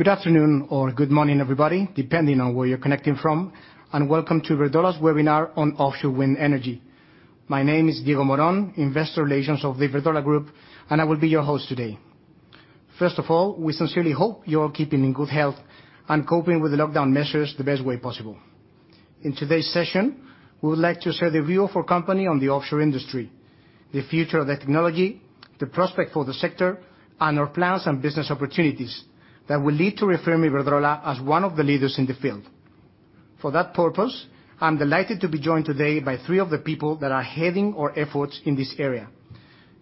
Good afternoon or good morning, everybody, depending on where you're connecting from, and welcome to Iberdrola's webinar on offshore wind energy. My name is Diego Morón, Investor Relations of the Iberdrola Group, and I will be your host today. First of all, we sincerely hope you're keeping in good health and coping with the lockdown measures the best way possible. In today's session, we would like to share the view of our company on the offshore industry, the future of the technology, the prospect for the sector, and our plans and business opportunities that will lead to reaffirm Iberdrola as one of the leaders in the field. For that purpose, I'm delighted to be joined today by three of the people that are heading our efforts in this area.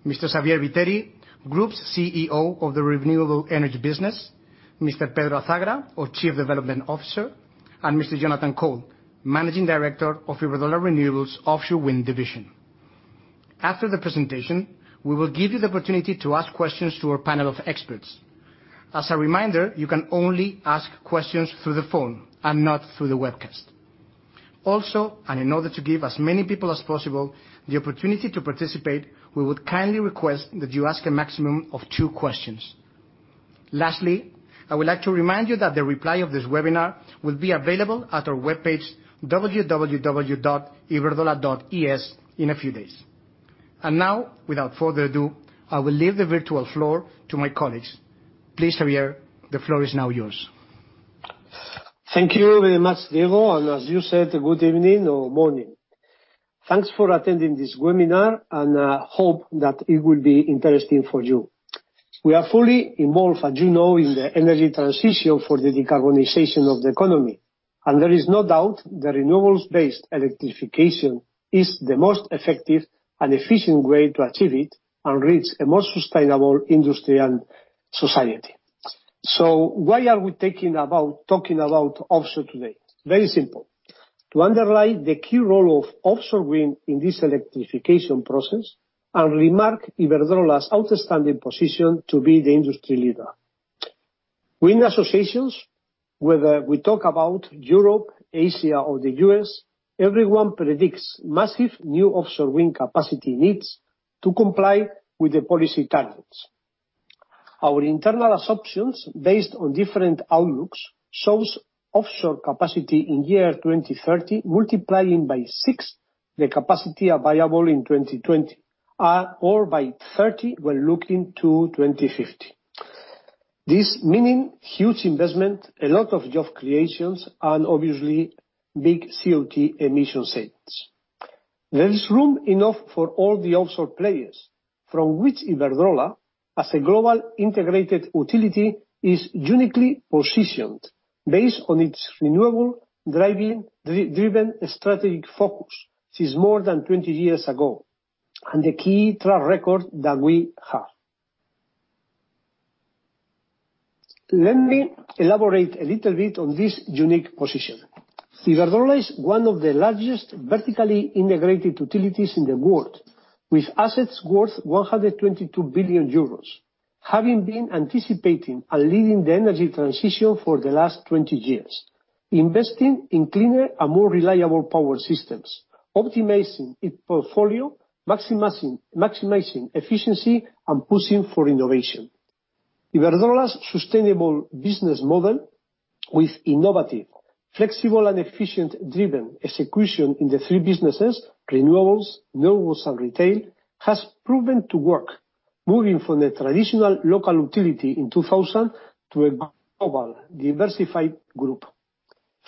Mr. Xabier Viteri, Group CEO of the Renewable Energy Business, Mr. Pedro Azagra, our Chief Development Officer, and Mr. Jonathan Cole, Managing Director of Iberdrola Renewables Offshore Wind division. After the presentation, we will give you the opportunity to ask questions to our panel of experts. As a reminder, you can only ask questions through the phone and not through the webcast. In order to give as many people as possible the opportunity to participate, we would kindly request that you ask a maximum of two questions. Lastly, I would like to remind you that the reply of this webinar will be available at our webpage, www.iberdrola.com, in a few days. Now, without further ado, I will leave the virtual floor to my colleagues. Please, Xabier, the floor is now yours. Thank you very much, Diego. As you said, good evening or morning. Thanks for attending this webinar. I hope that it will be interesting for you. We are fully involved, as you know, in the energy transition for the decarbonization of the economy. There is no doubt that renewables-based electrification is the most effective and efficient way to achieve it and reach a more sustainable industry and society. Why are we talking about offshore today? Very simple. To underline the key role of offshore wind in this electrification process and remark Iberdrola's outstanding position to be the industry leader. Wind associations, whether we talk about Europe, Asia, or the U.S., everyone predicts massive new offshore wind capacity needs to comply with the policy targets. Our internal assumptions, based on different outlooks, shows offshore capacity in year 2030 multiplying by 6, the capacity available in 2020 or by 30 when looking to 2050. This meaning huge investment, a lot of job creations and obviously big CO2 emission savings. There is room enough for all the offshore players, from which Iberdrola, as a global integrated utility, is uniquely positioned based on its renewable-driven strategic focus since more than 20 years ago and the key track record that we have. Let me elaborate a little bit on this unique position. Iberdrola is one of the largest vertically integrated utilities in the world, with assets worth 122 billion euros, having been anticipating and leading the energy transition for the last 20 years, investing in cleaner and more reliable power systems, optimizing its portfolio, maximizing efficiency, and pushing for innovation. Iberdrola's sustainable business model with innovative, flexible, and efficient-driven execution in the three businesses, renewables, networks, and retail, has proven to work, moving from a traditional local utility in 2000 to a global diversified group.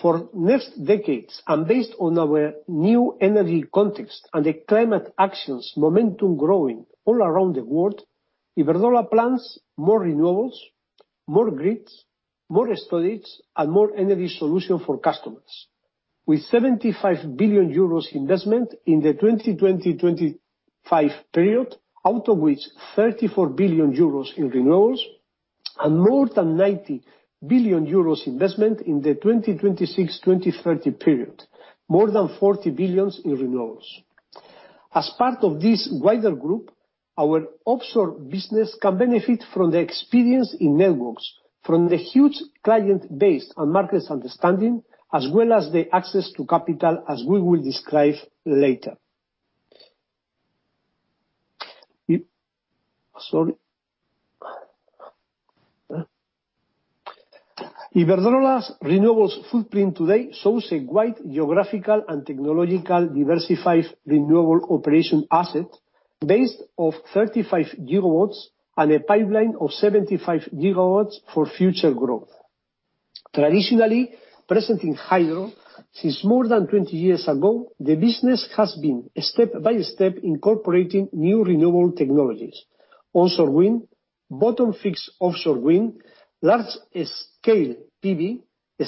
For next decades, based on our new energy context and the climate actions momentum growing all around the world, Iberdrola plans more renewables, more grids, more storage, and more energy solutions for customers. With 75 billion euros investment in the 2020-2025 period, out of which 34 billion euros in renewables, and more than 90 billion euros investment in the 2026-2030 period, more than 40 billion in renewables. As part of this wider group, our offshore business can benefit from the experience in networks, from the huge client base and market understanding, as well as the access to capital, as we will describe later. Sorry. Iberdrola's renewables footprint today shows a wide geographical and technological diversified renewable operation asset based of 35 GW and a pipeline of 75 GW for future growth. Traditionally present in hydro since more than 20 years ago, the business has been, step by step, incorporating new renewable technologies. Offshore wind, bottom-fixed offshore wind, large-scale PV,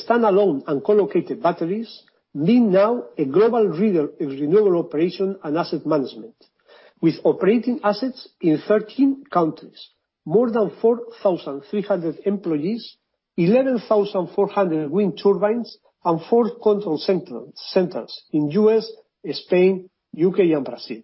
standalone and co-located batteries, being now a global leader in renewable operation and asset management. With operating assets in 13 countries, more than 4,300 employees, 11,400 wind turbines, and four control centers in U.S., Spain, U.K., and Brazil.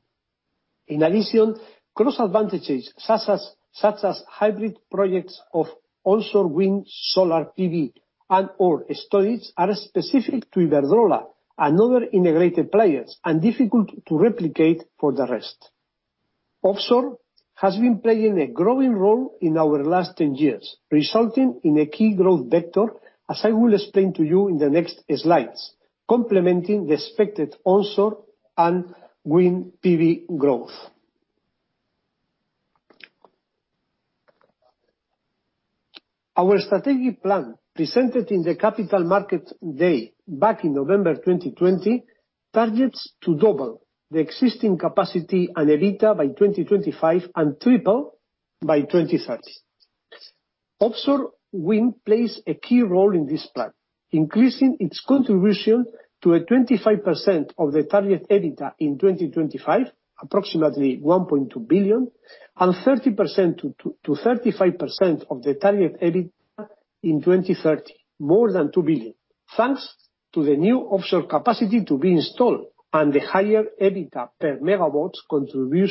In addition, cross advantages such as hybrid projects of onshore wind, solar PV, and/or storage are specific to Iberdrola and other integrated players and difficult to replicate for the rest. Offshore has been playing a growing role in our last 10 years, resulting in a key growth vector, as I will explain to you in the next slides, complementing the expected onshore and wind PV growth. Our strategic plan, presented in the Capital Markets Day back in November 2020, targets to double the existing capacity and EBITDA by 2025 and triple by 2030. Offshore wind plays a key role in this plan, increasing its contribution to a 25% of the target EBITDA in 2025, approximately EUR 1.2 billion, and 30%-35% of the target EBITDA in 2030, more than 2 billion. Thanks to the new offshore capacity to be installed and the higher EBITDA per megawatt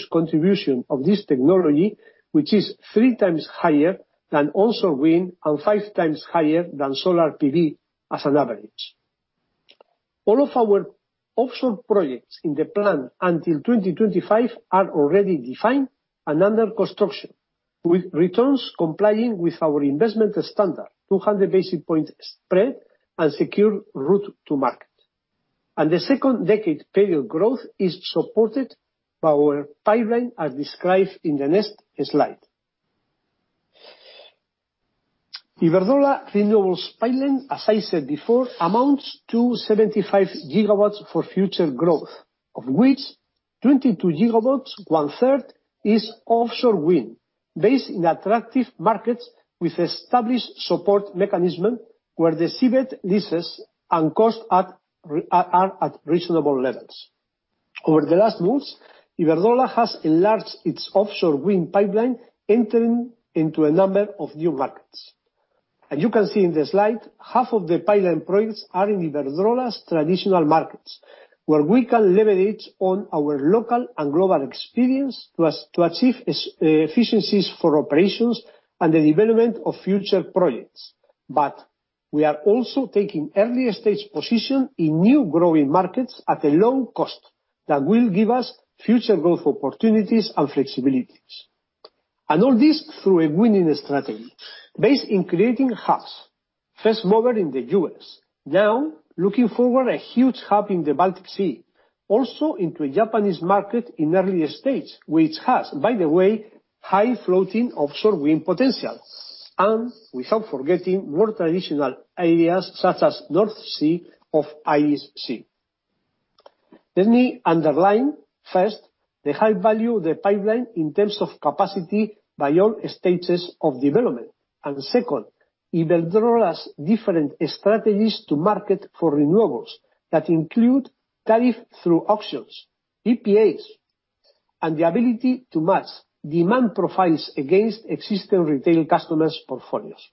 contribution of this technology, which is 3x higher than onshore wind and higher than solar PV as an average. All of our offshore projects in the plan until 2025 are already defined and under construction, with returns complying with our investment standard, 200 basis points spread and secure route to market. The second-decade period growth is supported by our pipeline, as described in the next slide. Iberdrola Renewables pipeline, as I said before, amounts to 75 GW for future growth, of which 22 GW, 1/3, is offshore wind, based in attractive markets with established support mechanism, where the seabed leases and cost are at reasonable levels. Over the last months, Iberdrola has enlarged its offshore wind pipeline, entering into a number of new markets. As you can see in the slide, half of the pipeline projects are in Iberdrola's traditional markets, where we can leverage on our local and global experience to achieve efficiencies for operations and the development of future projects. We are also taking early-stage position in new growing markets at a low cost that will give us future growth opportunities and flexibilities. All this through a winning strategy based in creating hubs, first mover in the U.S., now looking forward a huge hub in the Baltic Sea, also into a Japanese market in early-stage, which has, by the way, high floating offshore wind potential, and without forgetting more traditional areas such as North Sea or Irish Sea. Let me underline, first, the high value of the pipeline in terms of capacity by all stages of development. Second, Iberdrola's different strategies to market for renewables that include tariff through auctions, PPAs, and the ability to match demand profiles against existing retail customers' portfolios.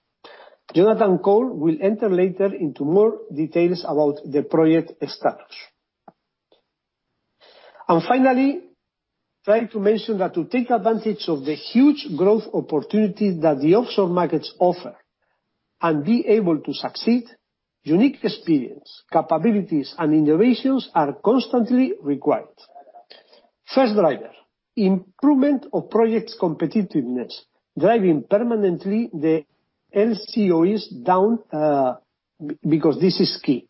Jonathan Cole will enter later into more details about the project status. Finally, try to mention that to take advantage of the huge growth opportunity that the offshore markets offer and be able to succeed, unique experience, capabilities, and innovations are constantly required. First driver, improvement of project's competitiveness, driving permanently the LCOEs down, because this is key.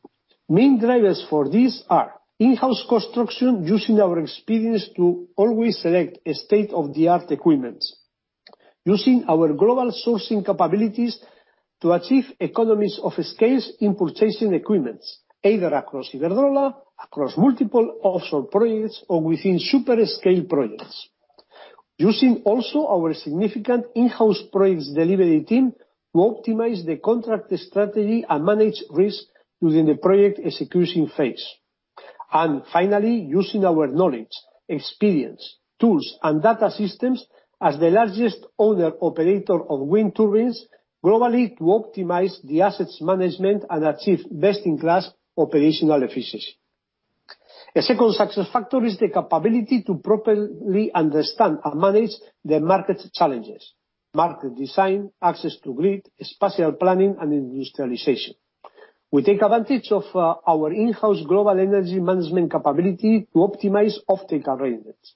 Main drivers for this are in-house construction using our experience to always select state-of-the-art equipment. Using our global sourcing capabilities to achieve economies of scale in purchasing equipment, either across Iberdrola, across multiple offshore projects, or within super scale projects. Using also our significant in-house projects delivery team to optimize the contract strategy and manage risk during the project execution phase. Finally, using our knowledge, experience, tools, and data systems as the largest owner/operator of wind turbines globally to optimize the asset management and achieve best-in-class operational efficiency. A second success factor is the capability to properly understand and manage the market challenges, market design, access to grid, spatial planning, and industrialization. We take advantage of our in-house global energy management capability to optimize offtake arrangements,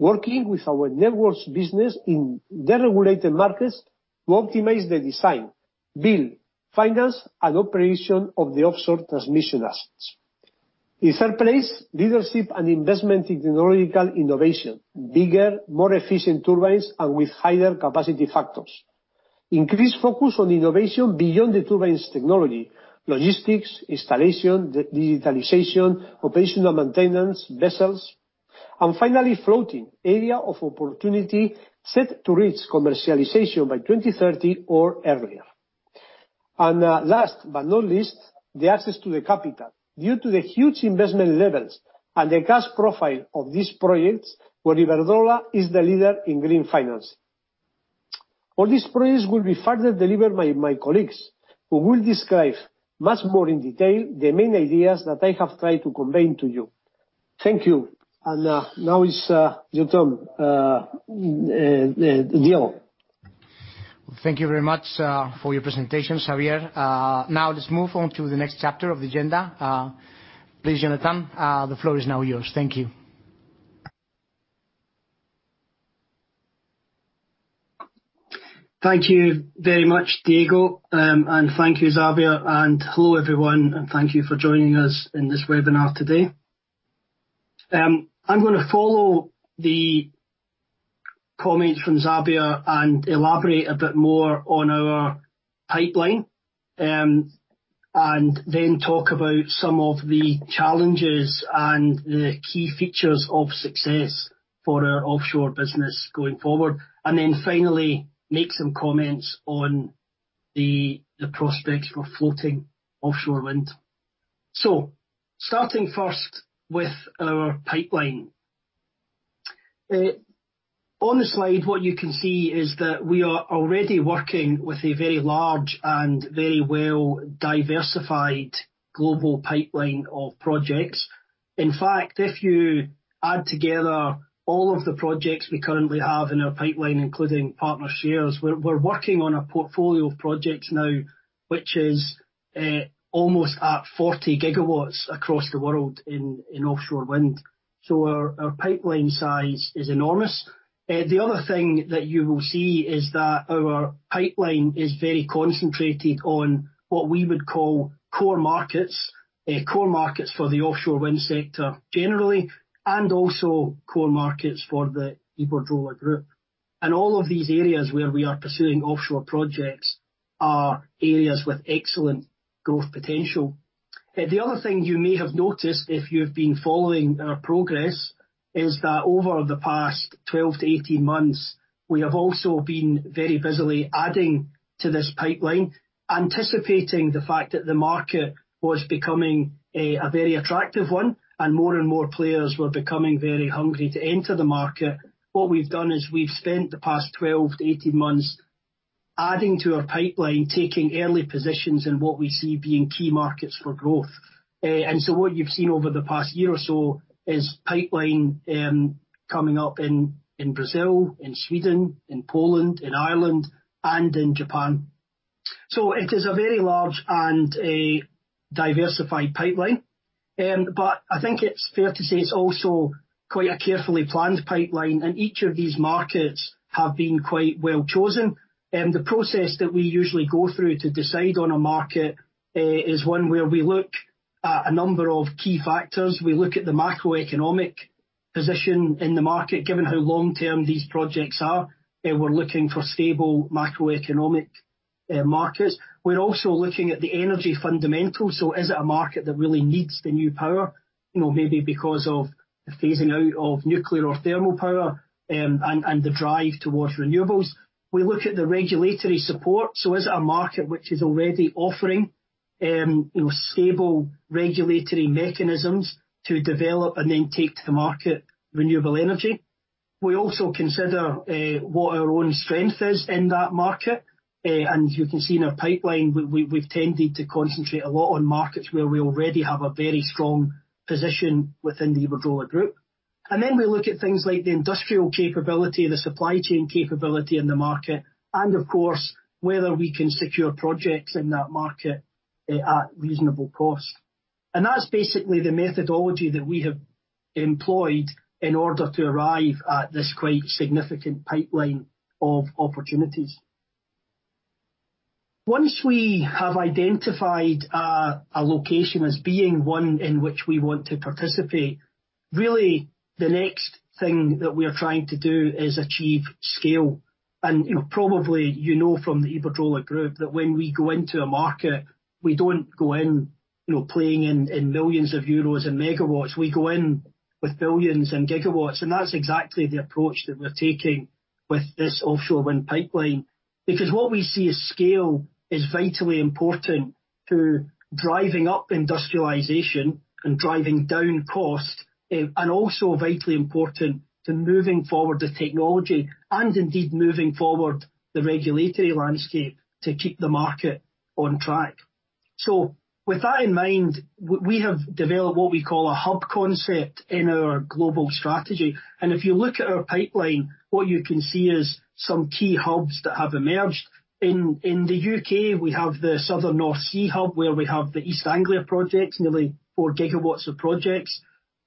working with our networks business in deregulated markets to optimize the design, build, finance, and operation of the offshore transmission assets. In third place, leadership and investment in technological innovation, bigger, more efficient turbines, and with higher capacity factors. Increased focus on innovation beyond the turbine technology, logistics, installation, digitalization, operational maintenance, vessels. Finally, floating, area of opportunity set to reach commercialization by 2030 or earlier. Last but not least, the access to the capital. Due to the huge investment levels and the cash profile of these projects, where Iberdrola is the leader in green finance. All these projects will be further delivered by my colleagues, who will describe much more in detail the main ideas that I have tried to convey to you. Thank you. Now it's your turn, Diego. Thank you very much for your presentation, Xabier. Let's move on to the next chapter of the agenda. Please, Jonathan, the floor is now yours. Thank you. Thank you very much, Diego, and thank you, Xabier, and hello everyone, and thank you for joining us in this webinar today. I'm going to follow the comments from Xabier and elaborate a bit more on our pipeline, and then talk about some of the challenges and the key features of success for our offshore business going forward, and then finally make some comments on the prospects for floating offshore wind. Starting first with our pipeline. On the slide, what you can see is that we are already working with a very large and very well-diversified global pipeline of projects. In fact, if you add together all of the projects we currently have in our pipeline, including partner shares, we're working on a portfolio of projects now, which is almost at 40 GW across the world in offshore wind. Our pipeline size is enormous. The other thing that you will see is that our pipeline is very concentrated on what we would call core markets, core markets for the offshore wind sector generally, and also core markets for the Iberdrola Group. All of these areas where we are pursuing offshore projects are areas with excellent growth potential. The other thing you may have noticed if you've been following our progress is that over the past 12-18 months, we have also been very busily adding to this pipeline, anticipating the fact that the market was becoming a very attractive one and more and more players were becoming very hungry to enter the market. What we've done is we've spent the past 12-18 months adding to our pipeline, taking early positions in what we see being key markets for growth. What you've seen over the past year or so is pipeline coming up in Brazil, in Sweden, in Poland, in Ireland, and in Japan. It is a very large and a diversified pipeline. I think it's fair to say it's also quite a carefully planned pipeline, and each of these markets have been quite well-chosen. The process that we usually go through to decide on a market is one where we look at a number of key factors. We look at the macroeconomic position in the market, given how long-term these projects are, we're looking for stable macroeconomic markets. We're also looking at the energy fundamentals. Is it a market that really needs the new power? Maybe because of the phasing out of nuclear or thermal power and the drive towards renewables. We look at the regulatory support. Is it a market which is already offering stable regulatory mechanisms to develop and then take to the market renewable energy? We also consider what our own strength is in that market. You can see in our pipeline, we've tended to concentrate a lot on markets where we already have a very strong position within the Iberdrola Group. Then we look at things like the industrial capability, the supply chain capability in the market, and of course, whether we can secure projects in that market at reasonable cost. That's basically the methodology that we have employed in order to arrive at this quite significant pipeline of opportunities. Once we have identified a location as being one in which we want to participate, really the next thing that we are trying to do is achieve scale. Probably you know from the Iberdrola Group that when we go into a market, we don't go in playing in millions of euros and megawatts, we go in with billions and gigawatts, that's exactly the approach that we're taking with this offshore wind pipeline. What we see is scale is vitally important to driving up industrialization and driving down cost, also vitally important to moving forward the technology and indeed moving forward the regulatory landscape to keep the market on track. With that in mind, we have developed what we call a hub concept in our global strategy. If you look at our pipeline, what you can see is some key hubs that have emerged. In the U.K., we have the Southern North Sea hub, where we have the East Anglia projects, nearly 4 GW of projects.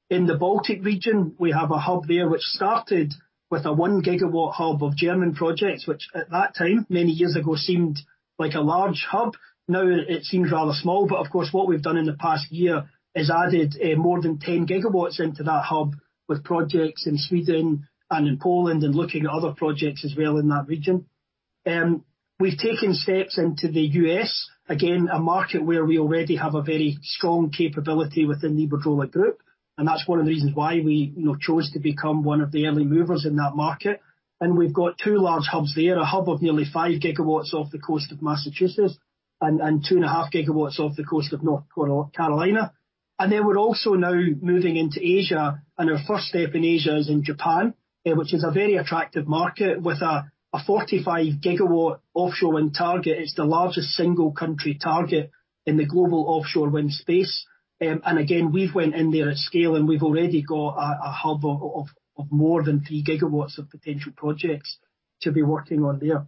In the Baltic region, we have a hub there which started with a 1 GW hub of German projects, which at that time, many years ago, seemed like a large hub. Of course, what we've done in the past year is added more than 10 GW into that hub with projects in Sweden and in Poland and looking at other projects as well in that region. We've taken steps into the U.S., again, a market where we already have a very strong capability within the Iberdrola Group, and that's one of the reasons why we chose to become one of the early movers in that market. We've got two large hubs there, a hub of nearly 5 GW off the coast of Massachusetts and 2.5 GW off the coast of North Carolina. We're also now moving into Asia, and our first step in Asia is in Japan, which is a very attractive market with a 45 GW offshore wind target. It's the largest single country target in the global offshore wind space. Again, we've went in there at scale, and we've already got a hub of more than 3 GW of potential projects to be working on there.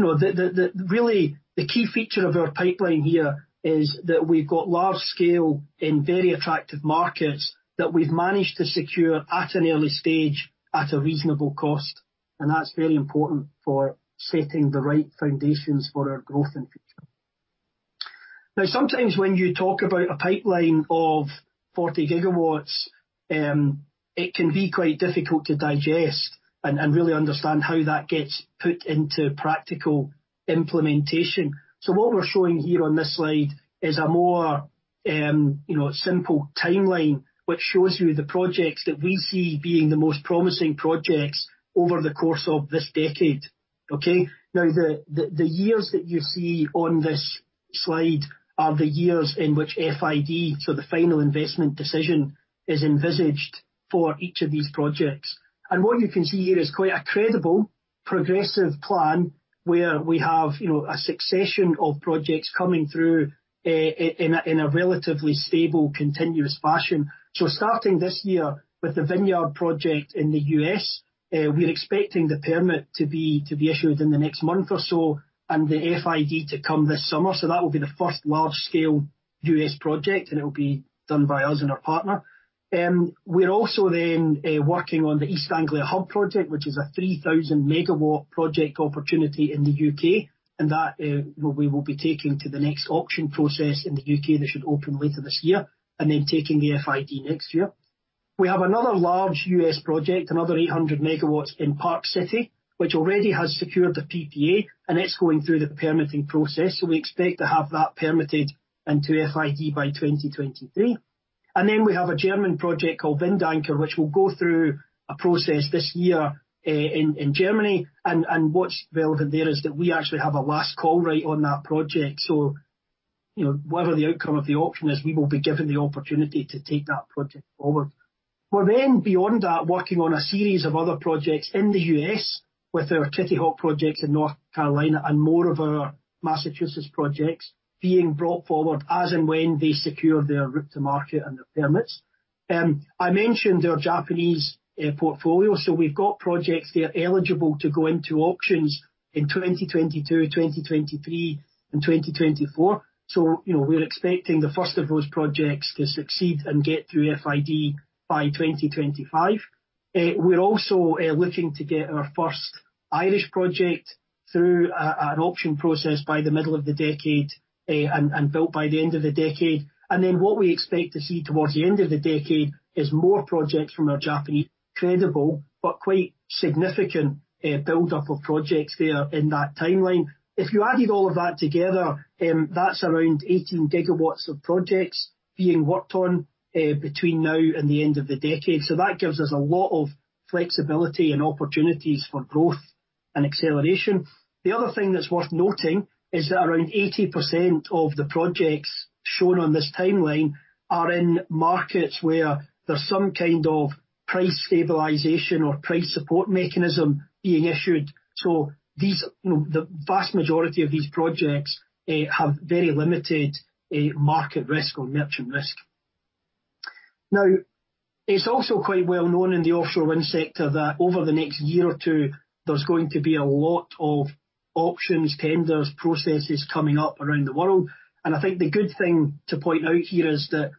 Really the key feature of our pipeline here is that we've got large scale in very attractive markets that we've managed to secure at an early stage at a reasonable cost, and that's very important for setting the right foundations for our growth in future. Sometimes when you talk about a pipeline of 40 GW, it can be quite difficult to digest and really understand how that gets put into practical implementation. What we're showing here on this slide is a more simple timeline, which shows you the projects that we see being the most promising projects over the course of this decade. Okay. The years that you see on this slide are the years in which FID, so the final investment decision, is envisaged for each of these projects. What you can see here is quite a credible, progressive plan where we have a succession of projects coming through in a relatively stable, continuous fashion. Starting this year with the Vineyard project in the U.S., we're expecting the permit to be issued in the next month or so and the FID to come this summer. That will be the first large-scale U.S. project, and it will be done by us and our partner. We're also working on the East Anglia Hub project, which is a 3,000 MW project opportunity in the U.K. That we will be taking to the next auction process in the U.K. that should open later this year, taking the FID next year. We have another large U.S. project, another 800 MW in Park City, which already has secured the PPA and it's going through the permitting process. We expect to have that permitted into FID by 2023. We have a German project called Windanker, which will go through a process this year in Germany. What's relevant there is that we actually have a last call right on that project. Whatever the outcome of the auction is, we will be given the opportunity to take that project forward. We're beyond that working on a series of other projects in the U.S. with our Kitty Hawk projects in North Carolina and more of our Massachusetts projects being brought forward as and when they secure their route to market and the permits. I mentioned our Japanese portfolio, we've got projects there eligible to go into auctions in 2022, 2023, and 2024. We're expecting the first of those projects to succeed and get through FID by 2025. We're also looking to get our first Irish project through an auction process by the middle of the decade, and built by the end of the decade. What we expect to see towards the end of the decade is more projects from our Japanese credible but quite significant buildup of projects there in that timeline. If you added all of that together, that's around 18 GW of projects being worked on between now and the end of the decade. That gives us a lot of flexibility and opportunities for growth and acceleration. The other thing that's worth noting is that around 80% of the projects shown on this timeline are in markets where there's some kind of price stabilization or price support mechanism being issued. The vast majority of these projects have very limited market risk or merchant risk. It's also quite well known in the offshore wind sector that over the next year or two, there's going to be a lot of auctions, tenders, processes coming up around the world. I think the good thing to point out here is that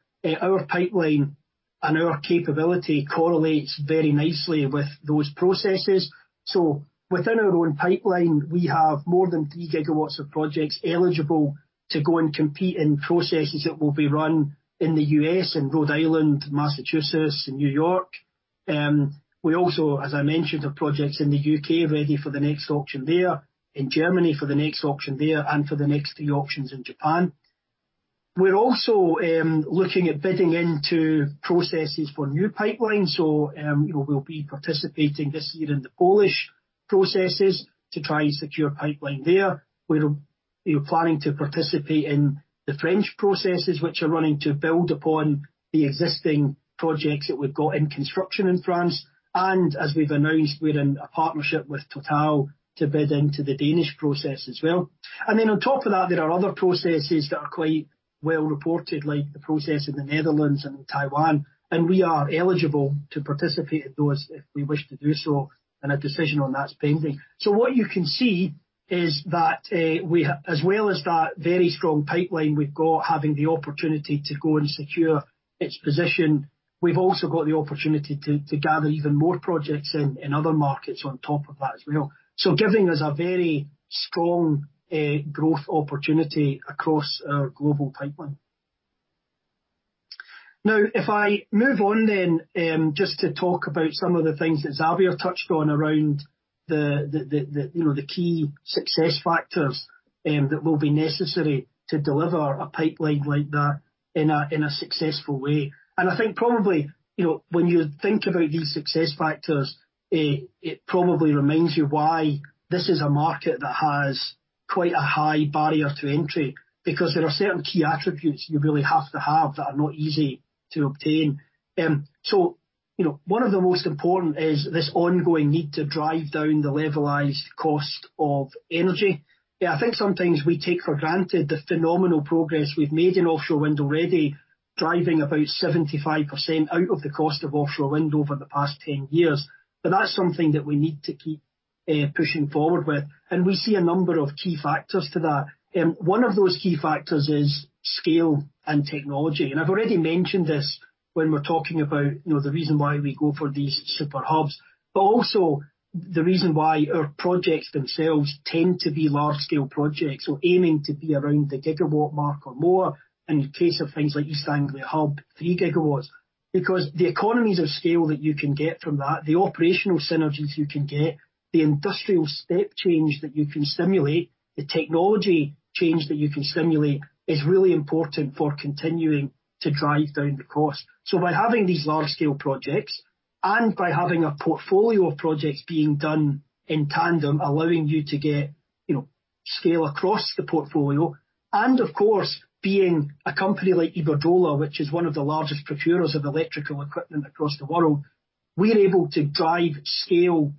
our pipeline and our capability correlates very nicely with those processes. Within our own pipeline, we have more than 3 GW of projects eligible to go and compete in processes that will be run in the U.S. and Rhode Island, Massachusetts, and New York. We also, as I mentioned, have projects in the U.K. ready for the next auction there, in Germany for the next auction there, and for the next three auctions in Japan. We are also looking at bidding into processes for new pipelines. We will be participating this year in the Polish processes to try and secure a pipeline there. We are planning to participate in the French processes which are running to build upon the existing projects that we have got in construction in France. As we have announced, we are in a partnership with Total to bid into the Danish process as well. On top of that, there are other processes that are quite well reported, like the process in the Netherlands and in Taiwan, and we are eligible to participate in those if we wish to do so, and a decision on that is pending. What you can see is that as well as that very strong pipeline we've got having the opportunity to go and secure its position, we've also got the opportunity to gather even more projects in other markets on top of that as well. Giving us a very strong growth opportunity across our global pipeline. If I move on then, just to talk about some of the things that Xabier touched on around the key success factors that will be necessary to deliver a pipeline like that in a successful way. I think probably when you think about these success factors, it probably reminds you why this is a market that has quite a high barrier to entry because there are certain key attributes you really have to have that are not easy to obtain. One of the most important is this ongoing need to drive down the levelized cost of energy. Yeah, I think sometimes we take for granted the phenomenal progress we've made in offshore wind already, driving about 75% out of the cost of offshore wind over the past 10 years. That's something that we need to keep pushing forward with. We see a number of key factors to that. One of those key factors is scale and technology. I've already mentioned this when we're talking about the reason why we go for these super hubs, but also the reason why our projects themselves tend to be large scale projects or aiming to be around the gigawatt mark or more. In the case of things like East Anglia Hub, 3 GW. The economies of scale that you can get from that, the operational synergies you can get, the industrial step change that you can stimulate, the technology change that you can stimulate is really important for continuing to drive down the cost. By having these large scale projects and by having a portfolio of projects being done in tandem allowing you to get scale across the portfolio, and of course, being a company like Iberdrola, which is one of the largest procurers of electrical equipment across the world, we are able to drive scale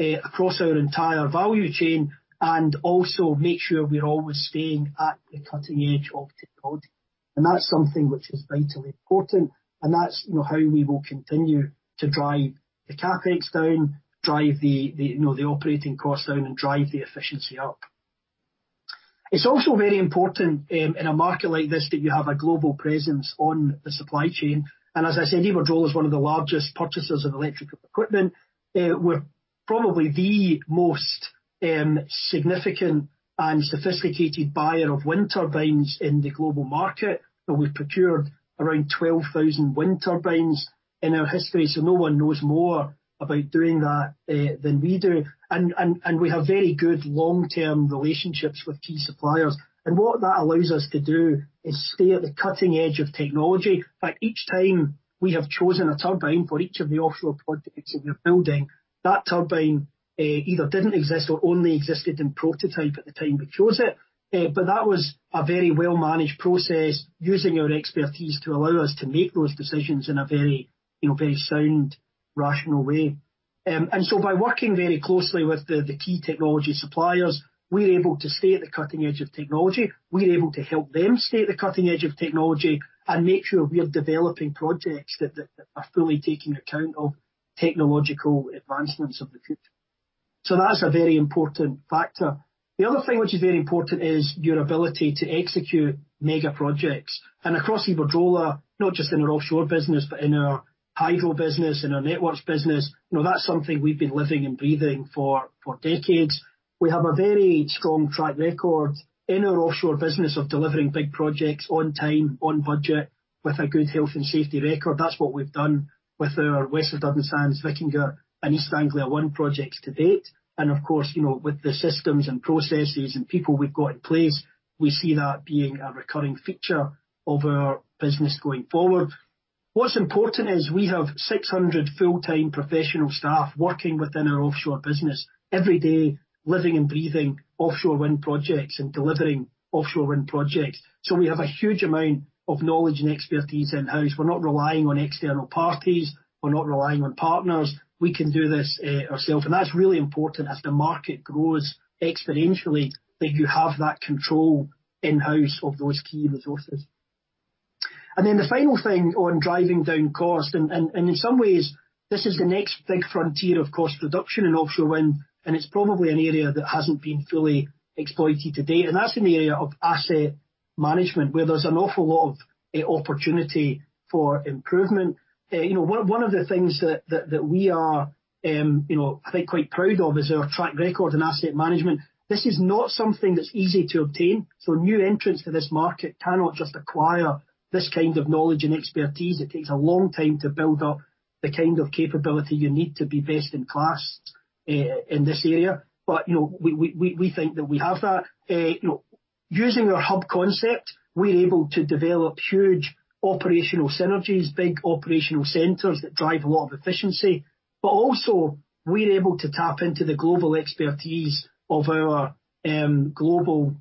across our entire value chain and also make sure we're always staying at the cutting edge of technology. That's something which is vitally important, and that's how we will continue to drive the CapEx down, drive the operating cost down, and drive the efficiency up. It's also very important in a market like this that you have a global presence on the supply chain. As I said, Iberdrola is one of the largest purchasers of electrical equipment. We're probably the most significant and sophisticated buyer of wind turbines in the global market, and we've procured around 12,000 wind turbines in our history. No one knows more about doing that than we do. We have very good long-term relationships with key suppliers. What that allows us to do is stay at the cutting edge of technology. In fact, each time we have chosen a turbine for each of the offshore projects that we're building, that turbine either didn't exist or only existed in prototype at the time we chose it. That was a very well-managed process using our expertise to allow us to make those decisions in a very sound, rational way. By working very closely with the key technology suppliers, we are able to stay at the cutting edge of technology. We are able to help them stay at the cutting edge of technology and make sure we are developing projects that are fully taking account of technological advancements of the future. That's a very important factor. The other thing which is very important is your ability to execute mega projects. Across Iberdrola, not just in our offshore business, but in our hydro business, in our networks business, that's something we've been living and breathing for decades. We have a very strong track record in our offshore business of delivering big projects on time, on budget, with a good health and safety record. That's what we've done with our West of Duddon Sands, Wikinger, and East Anglia ONE projects to date. Of course, with the systems and processes and people we've got in place, we see that being a recurring feature of our business going forward. What's important is we have 600 full-time professional staff working within our offshore business every day living and breathing offshore wind projects and delivering offshore wind projects. We have a huge amount of knowledge and expertise in-house. We're not relying on external parties. We're not relying on partners. We can do this ourselves, and that's really important as the market grows exponentially, that you have that control in-house of those key resources. The final thing on driving down cost and in some ways this is the next big frontier of cost reduction in offshore wind, and it's probably an area that hasn't been fully exploited to date. That's in the area of asset management, where there's an awful lot of opportunity for improvement. One of the things that we are I think quite proud of is our track record in asset management. This is not something that's easy to obtain. New entrants to this market cannot just acquire this kind of knowledge and expertise. It takes a long time to build up the kind of capability you need to be best in class in this area. We think that we have that. Using our hub concept, we are able to develop huge operational synergies, big operational centers that drive a lot of efficiency, but also we are able to tap into the global expertise of our global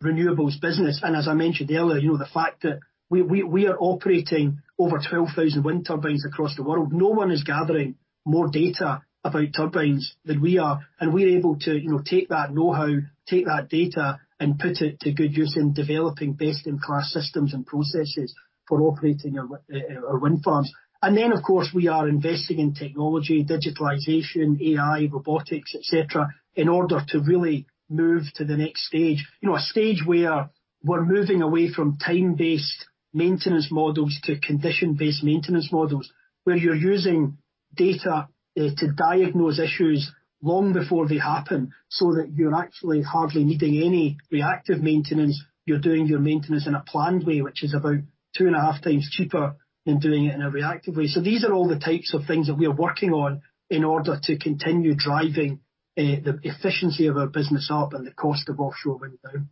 renewables business. As I mentioned earlier, the fact that we are operating over 12,000 wind turbines across the world. No one is gathering more data about turbines than we are, and we are able to take that know-how, take that data and put it to good use in developing best in class systems and processes for operating our wind farms. Of course, we are investing in technology, digitalization, AI, robotics, et cetera, in order to really move to the next stage. A stage where we're moving away from time-based maintenance models to condition-based maintenance models, where you're using data to diagnose issues long before they happen so that you're actually hardly needing any reactive maintenance. You're doing your maintenance in a planned way, which is about 2.5x cheaper than doing it in a reactive way. These are all the types of things that we are working on in order to continue driving the efficiency of our business up and the cost of offshore wind down.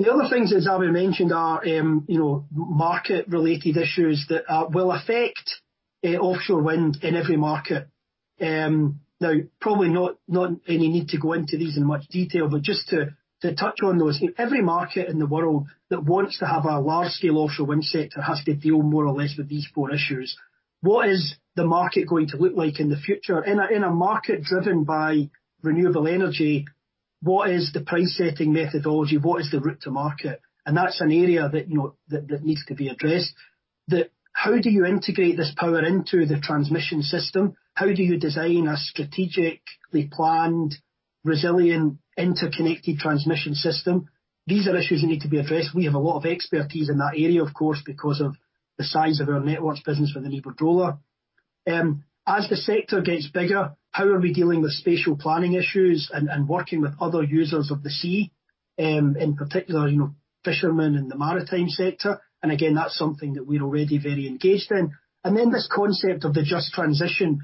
The other things, as Xabier mentioned, are market related issues that will affect offshore wind in every market. Now, probably not any need to go into these in much detail, but just to touch on those. Every market in the world that wants to have a large scale offshore wind sector has to deal more or less with these four issues. What is the market going to look like in the future? In a market driven by renewable energy. What is the price setting methodology? What is the route to market? That's an area that needs to be addressed. How do you integrate this power into the transmission system? How do you design a strategically planned, resilient, interconnected transmission system? These are issues that need to be addressed. We have a lot of expertise in that area, of course, because of the size of our networks business with Iberdrola. As the sector gets bigger, how are we dealing with spatial planning issues and working with other users of the sea, in particular, fishermen in the maritime sector? Again, that's something that we're already very engaged in. This concept of the just transition.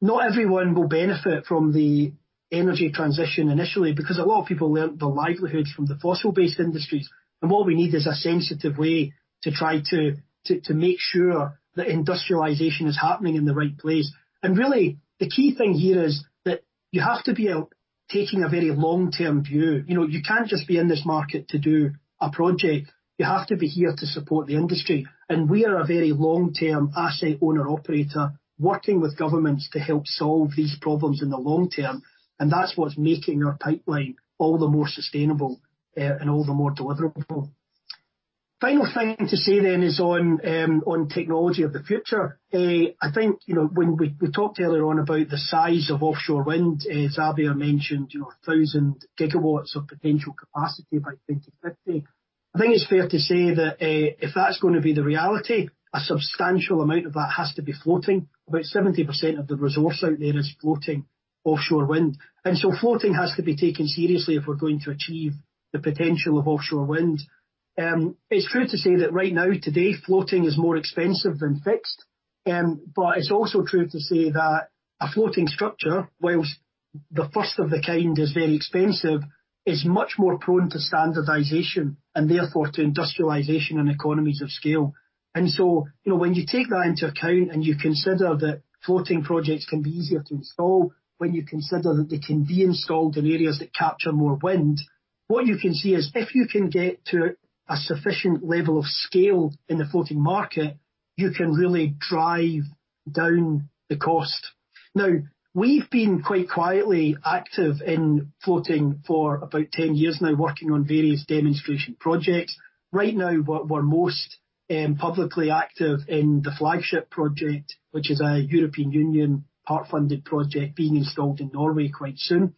Not everyone will benefit from the energy transition initially, because a lot of people learned their livelihoods from the fossil-based industries. What we need is a sensitive way to try to make sure that industrialization is happening in the right place. Really, the key thing here is that you have to be taking a very long-term view. You can't just be in this market to do a project. You have to be here to support the industry. We are a very long-term asset owner operator working with governments to help solve these problems in the long term, and that's what's making our pipeline all the more sustainable and all the more deliverable. Final thing to say then is on technology of the future. I think when we talked earlier on about the size of offshore wind, as Xabier mentioned, 1,000 GW of potential capacity by 2050. I think it's fair to say that if that's going to be the reality, a substantial amount of that has to be floating. About 70% of the resource out there is floating offshore wind. Floating has to be taken seriously if we're going to achieve the potential of offshore wind. It's fair to say that right now, today, floating is more expensive than fixed. It's also true to say that a floating structure, whilst the first of the kind is very expensive, is much more prone to standardization and therefore to industrialization and economies of scale. When you take that into account and you consider that floating projects can be easier to install, when you consider that they can be installed in areas that capture more wind, what you can see is if you can get to a sufficient level of scale in the floating market, you can really drive down the cost. We've been quite quietly active in floating for about 10 years now, working on various demonstration projects. Right now, we're most publicly active in the FLAGSHIP project, which is a European Union part-funded project being installed in Norway quite soon.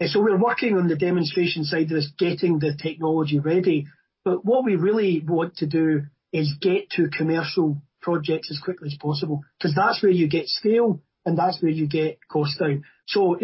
We're working on the demonstration side of this, getting the technology ready. What we really want to do is get to commercial projects as quickly as possible, because that's where you get scale and that's where you get cost down.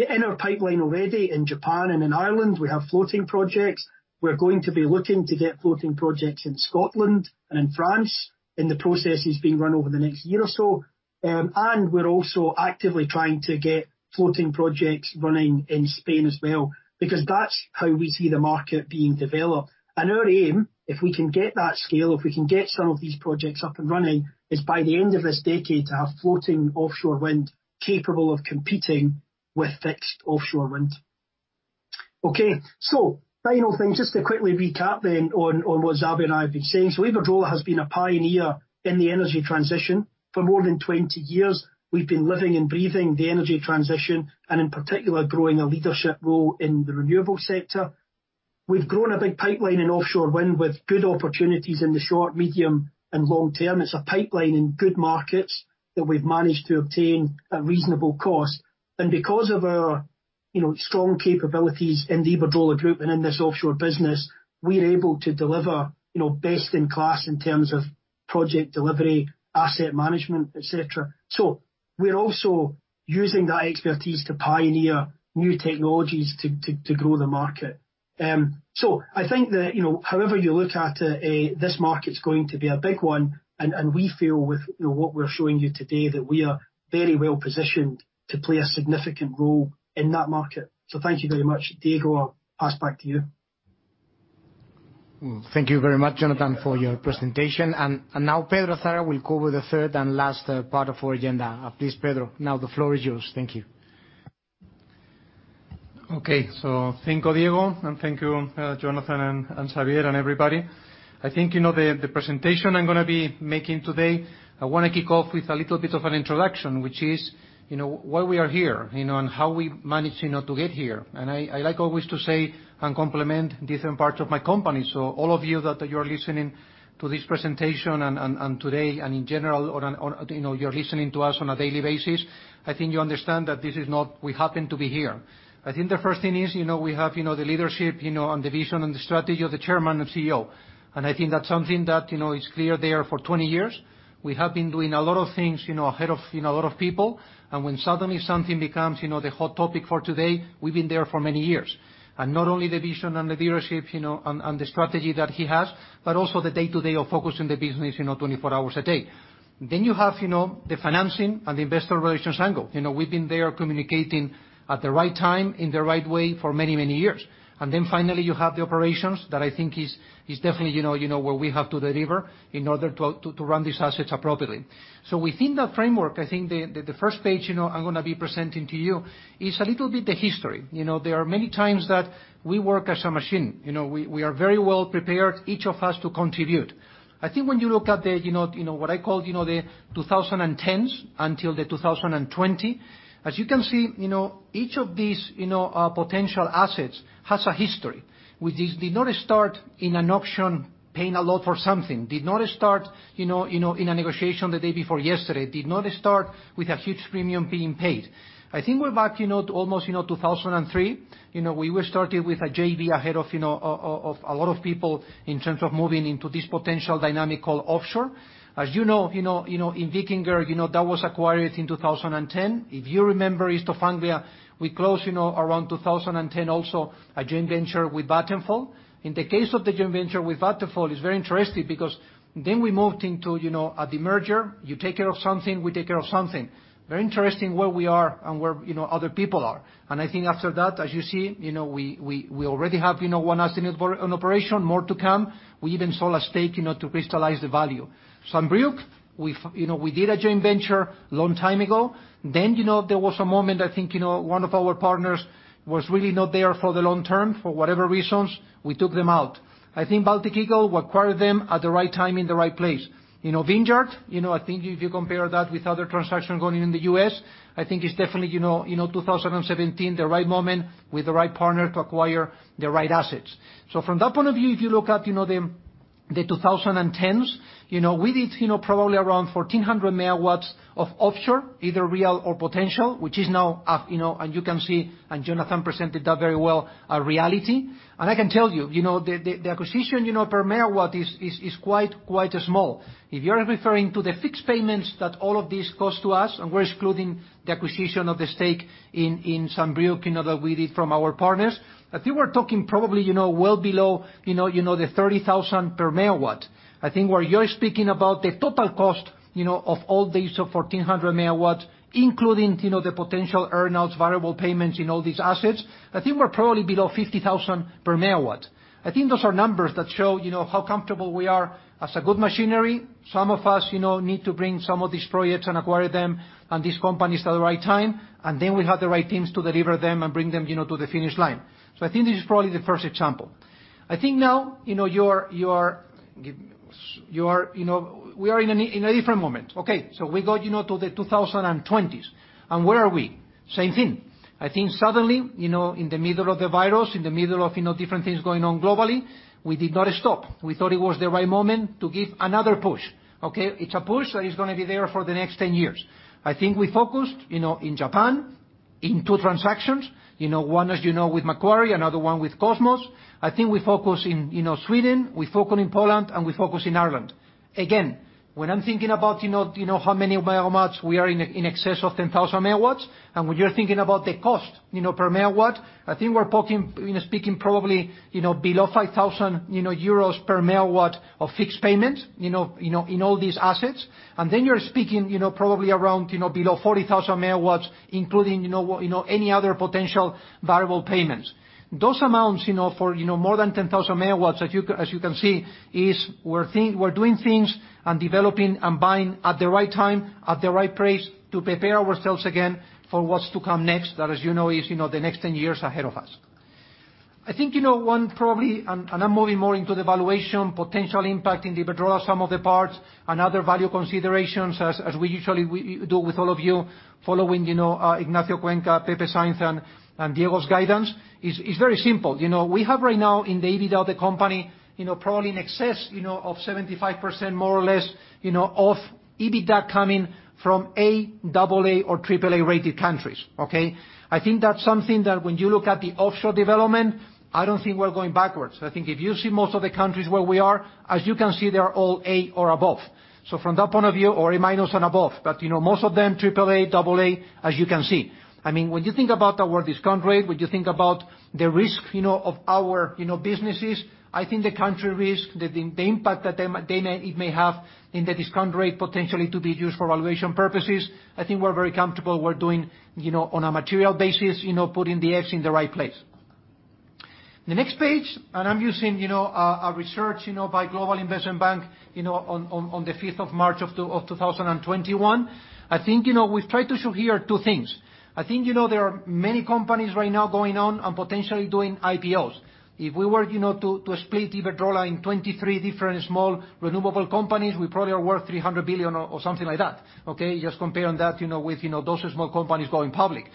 In our pipeline already in Japan and in Ireland, we have floating projects. We're going to be looking to get floating projects in Scotland and in France, and the process is being run over the next year or so. We're also actively trying to get floating projects running in Spain as well, because that's how we see the market being developed. Our aim, if we can get that scale, if we can get some of these projects up and running, is by the end of this decade to have floating offshore wind capable of competing with fixed offshore wind. Okay. Final thing, just to quickly recap then on what Xabier and I have been saying. Iberdrola has been a pioneer in the energy transition for more than 20 years. We've been living and breathing the energy transition and in particular growing a leadership role in the renewable sector. We've grown a big pipeline in offshore wind with good opportunities in the short, medium, and long term. It's a pipeline in good markets that we've managed to obtain at reasonable cost. Because of our strong capabilities in the Iberdrola Group and in this offshore business, we're able to deliver best in class in terms of project delivery, asset management, et cetera. We're also using that expertise to pioneer new technologies to grow the market. I think that however you look at it, this market's going to be a big one, and we feel with what we're showing you today that we are very well positioned to play a significant role in that market. Thank you very much. Diego, I'll pass back to you. Thank you very much, Jonathan, for your presentation. Now Pedro Azagra will cover the third and last part of our agenda. Please, Pedro, now the floor is yours. Thank you. Okay. Thank you, Diego, and thank you, Jonathan and Xabier and everybody. I think you know the presentation I'm going to be making today. I want to kick off with a little bit of an introduction, which is why we are here and how we managed to get here. I like always to say and compliment different parts of my company. All of you that you're listening to this presentation and today and in general or you're listening to us on a daily basis, I think you understand that this is not we happen to be here. I think the first thing is, we have the leadership and the vision and the strategy of the chairman and CEO. I think that's something that is clear there for 20 years. We have been doing a lot of things ahead of a lot of people. When suddenly something becomes the hot topic for today, we've been there for many years. Not only the vision and the leadership and the strategy that he has, but also the day-to-day of focusing the business 24 hours a day. You have the financing and the investor relations angle. We've been there communicating at the right time, in the right way for many years. Finally, you have the operations that I think is definitely where we have to deliver in order to run these assets appropriately. Within that framework, I think the first page I'm going to be presenting to you is a little bit the history. There are many times that we work as a machine. We are very well prepared, each of us, to contribute. I think when you look at what I call the 2010s until the 2020, as you can see, each of these potential assets has a history. We did not start in an auction paying a lot for something, did not start in a negotiation the day before yesterday, did not start with a huge premium being paid. I think we're back to almost 2003. We were started with a JV ahead of a lot of people in terms of moving into this potential dynamic called offshore. As you know, in Wikinger, that was acquired in 2010. If you remember East Anglia, we closed around 2010 also a joint venture with Vattenfall. In the case of the joint venture with Vattenfall, it's very interesting because we moved into a demerger. You take care of something, we take care of something. Very interesting where we are and where other people are. I think after that, as you see, we already have one asset in operation, more to come. We even sold a stake to crystallize the value. Saint-Brieuc, we did a joint venture long time ago. There was a moment, I think one of our partners was really not there for the long term, for whatever reasons. We took them out. I think Baltic Eagle, we acquired them at the right time, in the right place. Vanguard, I think if you compare that with other transactions going in the U.S., I think it's definitely 2017, the right moment with the right partner to acquire the right assets. From that point of view, if you look at the 2010s, we did probably around 1,400 MW of offshore, either real or potential, which is now, and you can see, and Jonathan presented that very well, a reality. I can tell you, the acquisition per megawatt is quite small. If you are referring to the fixed payments that all of this cost to us, and we're excluding the acquisition of the stake in Saint-Brieuc that we did from our partners, I think we're talking probably well below the 30,000 per MW. I think where you're speaking about the total cost of all these 1,400 MW, including the potential earn-outs, variable payments in all these assets, I think we're probably below 50,000 per MW. I think those are numbers that show how comfortable we are as a good machinery. Some of us need to bring some of these projects and acquire them and these companies at the right time, then we have the right teams to deliver them and bring them to the finish line. I think this is probably the first example. I think now, we are in a different moment. Okay, we got to the 2020s. Where are we? Same thing. I think suddenly, in the middle of the virus, in the middle of different things going on globally, we did not stop. We thought it was the right moment to give another push. Okay. It's a push that is going to be there for the next 10 years. I think we focused in Japan in two transactions, one, as you know, with Macquarie, another one with Cosmo. I think we focus in Sweden, we focus in Poland, we focus in Ireland. Again, when I'm thinking about how many megawatts, we are in excess of 10,000 MW. When you're thinking about the cost per megawatt, I think we're speaking probably below 5,000 per MW of fixed payment in all these assets. Then you're speaking probably around below 40,000 per MW, including any other potential variable payments. Those amounts for more than 10,000 MW, as you can see, is we're doing things and developing and buying at the right time, at the right price to prepare ourselves again for what's to come next. As you know, is the next 10 years ahead of us. I think one probably, and I'm moving more into the valuation potential impact in the withdrawal of some of the parts and other value considerations as we usually do with all of you, following Ignacio Cuenca, Pepe Sáinz, and Diego's guidance, is very simple. We have right now in the EBITDA of the company, probably in excess of 75% more or less, of EBITDA coming from A, AA, or AAA rated countries. Okay? I think that's something that when you look at the offshore development, I don't think we're going backwards. I think if you see most of the countries where we are, as you can see, they are all A or above. From that point of view, or A- and above, but most of them AAA, AA, as you can see. When you think about our discount rate, when you think about the risk of our businesses, I think the country risk, the impact that it may have in the discount rate potentially to be used for valuation purposes, I think we're very comfortable we're doing on a material basis, putting the eggs in the right place. The next page, I'm using a research by Global Investment Bank on the 5th of March of 2021. I think we've tried to show here two things. I think there are many companies right now going on and potentially doing IPOs. If we were to split Iberdrola in 23 different small renewable companies, we probably are worth 300 billion or something like that, okay? Just comparing that with those small companies going public.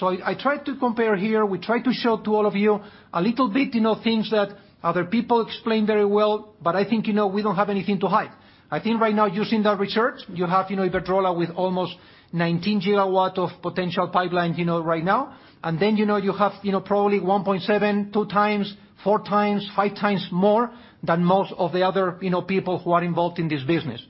I tried to compare here. We tried to show to all of you a little bit things that other people explain very well, but I think we don't have anything to hide. I think right now, using that research, you have Iberdrola with almost 19 GW of potential pipeline right now. You have probably 1.7x, 2x, 4x, 5x more than most of the other people who are involved in this business.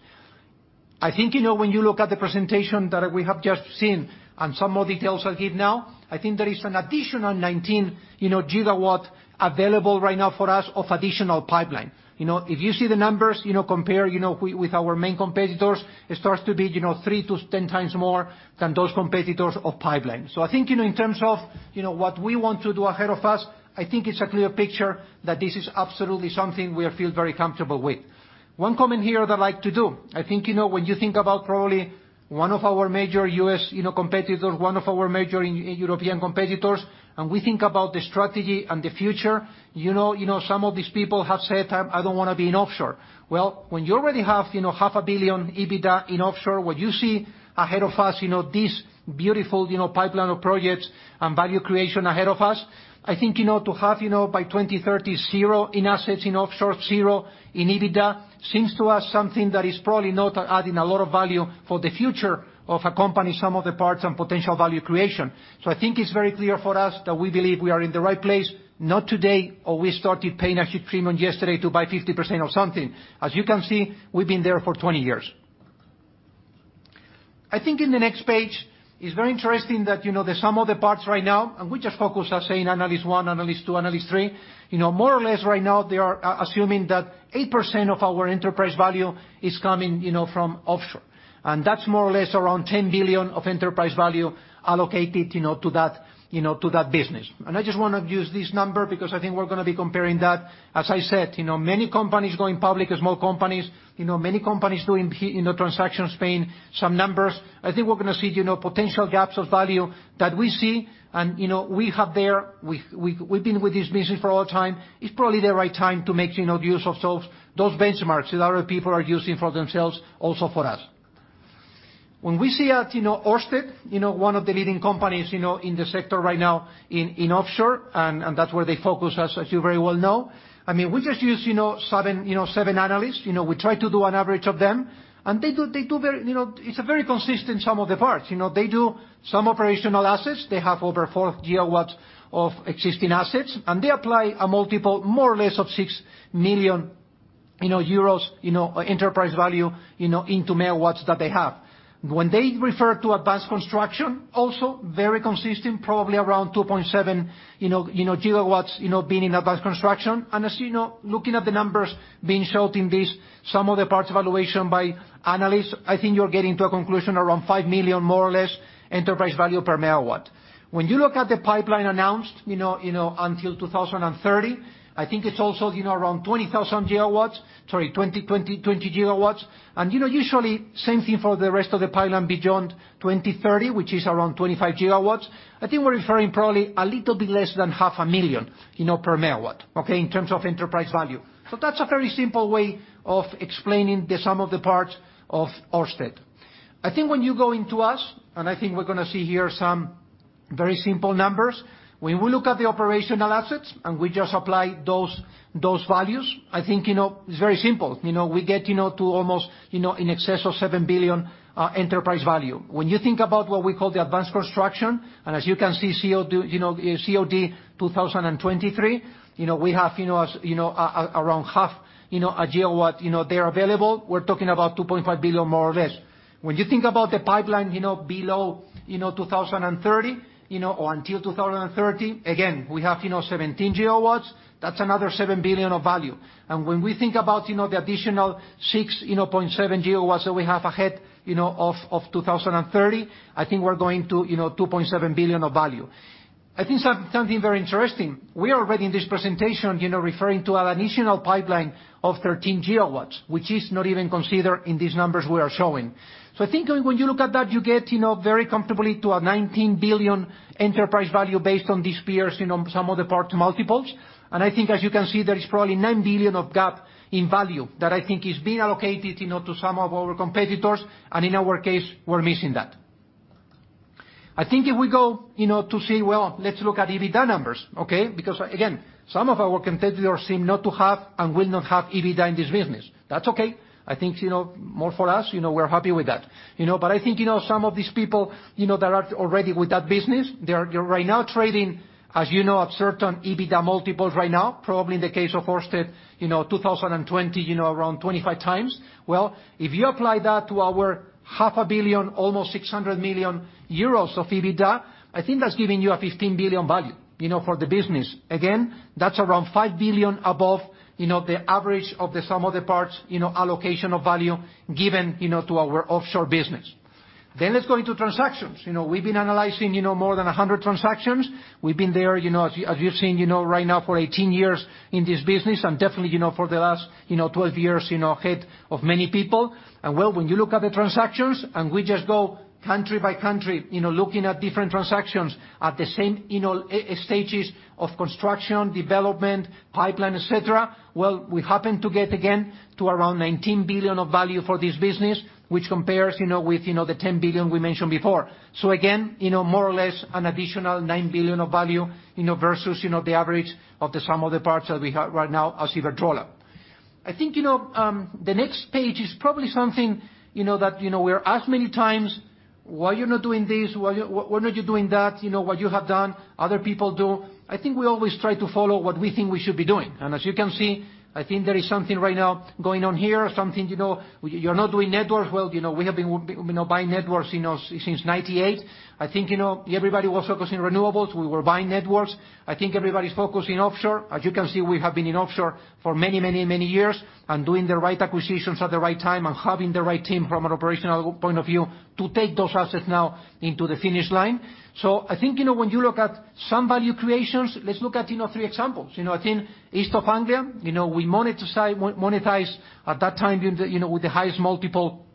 I think when you look at the presentation that we have just seen and some more details I'll give now, I think there is an additional 19 GW available right now for us of additional pipeline. If you see the numbers, compare with our main competitors, it starts to be 3x-10x more than those competitors of pipeline. I think in terms of what we want to do ahead of us, I think it's a clear picture that this is absolutely something we feel very comfortable with. One comment here that I'd like to do, I think, when you think about probably one of our major U.S. competitors, one of our major European competitors, and we think about the strategy and the future, some of these people have said, "I don't want to be in offshore." Well, when you already have 500 million EBITDA in offshore, what you see ahead of us, this beautiful pipeline of projects and value creation ahead of us, I think, to have by 2030, zero in assets in offshore, zero in EBITDA, seems to us something that is probably not adding a lot of value for the future of a company, sum of the parts and potential value creation. I think it's very clear for us that we believe we are in the right place, not today or we started paying a premium yesterday to buy 50% of something. As you can see, we've been there for 20 years. I think in the next page it's very interesting that the sum of the parts right now, and we just focus on saying analyst one, analyst two, analyst three. More or less right now, they are assuming that 8% of our enterprise value is coming from offshore. That's more or less around 10 billion of enterprise value allocated to that business. I just want to use this number because I think we're going to be comparing that. As I said, many companies going public, small companies, many companies doing transactions paying some numbers. I think we're going to see potential gaps of value that we see and we have there. We've been with this business for a long time. It's probably the right time to make use of those benchmarks that other people are using for themselves, also for us. When we see at Ørsted, one of the leading companies in the sector right now in offshore, and that's where they focus, as you very well know. We just use seven analysts. We try to do an average of them. It's a very consistent sum of the parts. They do some operational assets. They have over 4 GW of existing assets, and they apply a multiple more or less of 6 million euros enterprise value, into megawatts that they have. When they refer to advanced construction, also very consistent, probably around 2.7 GW being in advanced construction. As you know, looking at the numbers being showed in this sum of the parts valuation by analysts, I think you're getting to a conclusion around 5 million, more or less enterprise value per MW. When you look at the pipeline announced until 2030, I think it's also around 20,000 GW. Sorry, 20 GW. Usually, same thing for the rest of the pipeline beyond 2030, which is around 25 GW. I think we're referring probably a little bit less than 500,000 per MW, okay, in terms of enterprise value. That's a very simple way of explaining the sum of the parts of Ørsted. I think when you go into us, and I think we're going to see here some very simple numbers. When we look at the operational assets and we just apply those values, I think it's very simple. We get to almost in excess of 7 billion enterprise value. When you think about what we call the advanced construction, and as you can see, COD 2023, we have around 0.5 GW there available. We're talking about 2.5 billion, more or less. When you think about the pipeline below 2030 or until 2030, again, we have 17 GW. That's another 7 billion of value. When we think about the additional 6.7 GW that we have ahead of 2030, I think we're going to 2.7 billion of value. I think something very interesting, we are already in this presentation referring to an additional pipeline of 13 GW, which is not even considered in these numbers we are showing. I think when you look at that, you get very comfortably to a 19 billion enterprise value based on these peers, sum of the parts multiples. I think, as you can see, there is probably 9 billion of gap in value that I think is being allocated to some of our competitors. In our case, we're missing that. I think if we go to say, "Well, let's look at EBITDA numbers," okay, because again, some of our competitors seem not to have and will not have EBITDA in this business. That's okay. I think more for us, we're happy with that. I think some of these people that are already with that business, they are right now trading, as you know, at certain EBITDA multiples right now, probably in the case of Ørsted, 2020 around 25x. If you apply that to our 500 million, almost 600 million euros of EBITDA, I think that's giving you a 15 billion value for the business. Again, that's around 5 billion above the average of the sum of the parts allocation of value given to our offshore business. Let's go into transactions. We've been analyzing more than 100 transactions. We've been there, as you've seen right now for 18 years in this business, and definitely for the last 12 years ahead of many people. Well, when you look at the transactions and we just go country by country, looking at different transactions at the same stages of construction, development, pipeline, et cetera, well, we happen to get again to around 19 billion of value for this business, which compares with the 10 billion we mentioned before. Again, more or less an additional 9 billion of value versus the average of the sum of the parts that we have right now as Iberdrola. I think the next page is probably something that we are asked many times. Why are you not doing this? Why are you not doing that? What you have done, other people do. I think we always try to follow what we think we should be doing. As you can see, I think there is something right now going on here, something, you're not doing networks well. We have been buying networks since 1998. I think everybody was focusing renewables, we were buying networks. I think everybody's focusing offshore. As you can see, we have been in offshore for many years, and doing the right acquisitions at the right time, and having the right team from an operational point of view to take those assets now into the finish line. I think, when you look at some value creations, let's look at three examples. I think East Anglia, we monetized at that time with the highest multiple,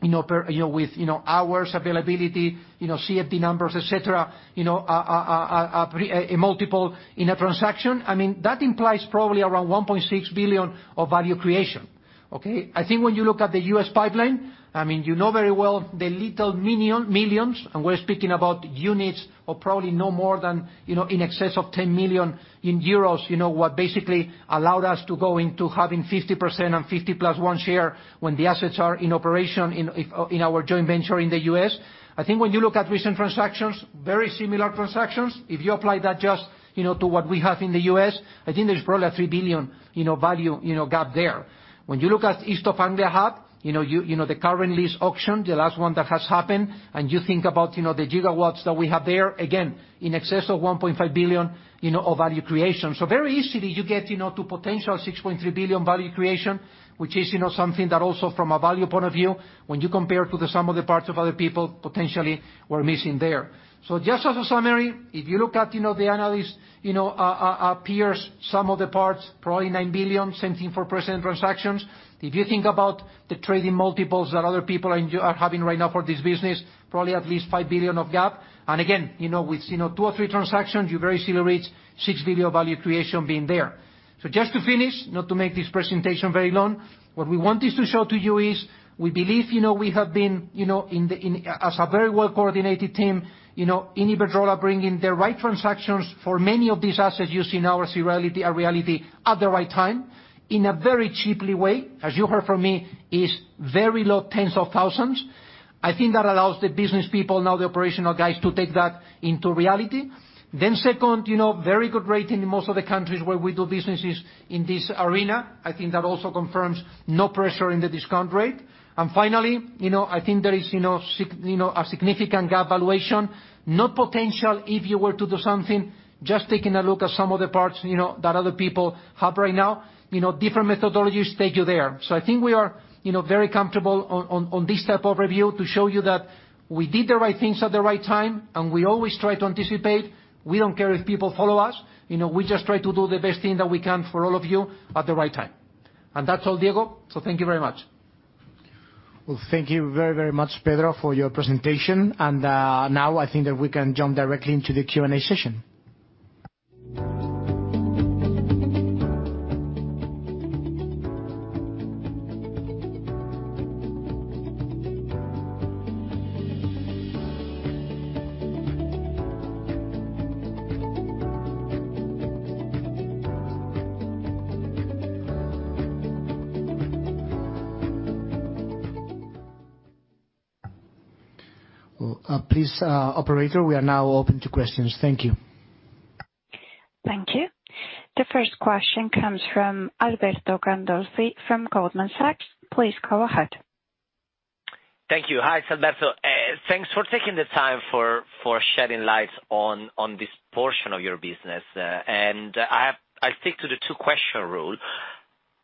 with hours availability, CFD numbers, et cetera, a multiple in a transaction. That implies probably around 1.6 billion of value creation. Okay. I think when you look at the U.S. pipeline, you know very well the little millions, and we're speaking about units of probably no more than in excess of 10 million euros, what basically allowed us to go into having 50% and 50 plus one share when the assets are in operation in our joint venture in the U.S. I think when you look at recent transactions, very similar transactions. If you apply that just to what we have in the U.S., I think there's probably a 3 billion value gap there. When you look at East Anglia Hub, the current lease auction, the last one that has happened, you think about the gigawatts that we have there, again, in excess of 1.5 billion of value creation. Very easily you get to potential 6.3 billion value creation, which is something that also from a value point of view, when you compare to the sum of the parts of other people, potentially we're missing there. Just as a summary, if you look at the analyst peers, sum of the parts, probably 9 billion, same thing for present transactions. If you think about the trading multiples that other people are having right now for this business, probably at least 5 billion of gap. Again, with two or three transactions, you very soon reach 6 billion value creation being there. Just to finish, not to make this presentation very long. What we want is to show to you is, we believe we have been, as a very well-coordinated team, in Iberdrola, bringing the right transactions for many of these assets you see now as a reality at the right time in a very cheaply way. As you heard from me, is very low tens of thousands. I think that allows the business people, now the operational guys, to take that into reality. Second, very good rating in most of the countries where we do businesses in this arena. I think that also confirms no pressure in the discount rate. Finally, I think there is a significant gap valuation. No potential if you were to do something, just taking a look at sum of the parts that other people have right now. Different methodologies take you there. I think we are very comfortable on this type of review to show you that we did the right things at the right time, and we always try to anticipate. We don't care if people follow us. We just try to do the best thing that we can for all of you at the right time. That's all, Diego. Thank you very much. Well, thank you very much, Pedro, for your presentation. Now, I think that we can jump directly into the Q&A session. Please, operator, we are now open to questions. Thank you. Thank you. The first question comes from Alberto Gandolfi from Goldman Sachs. Please go ahead. Thank you. Hi, it's Alberto. Thanks for taking the time for shedding light on this portion of your business. I'll stick to the two-question rule.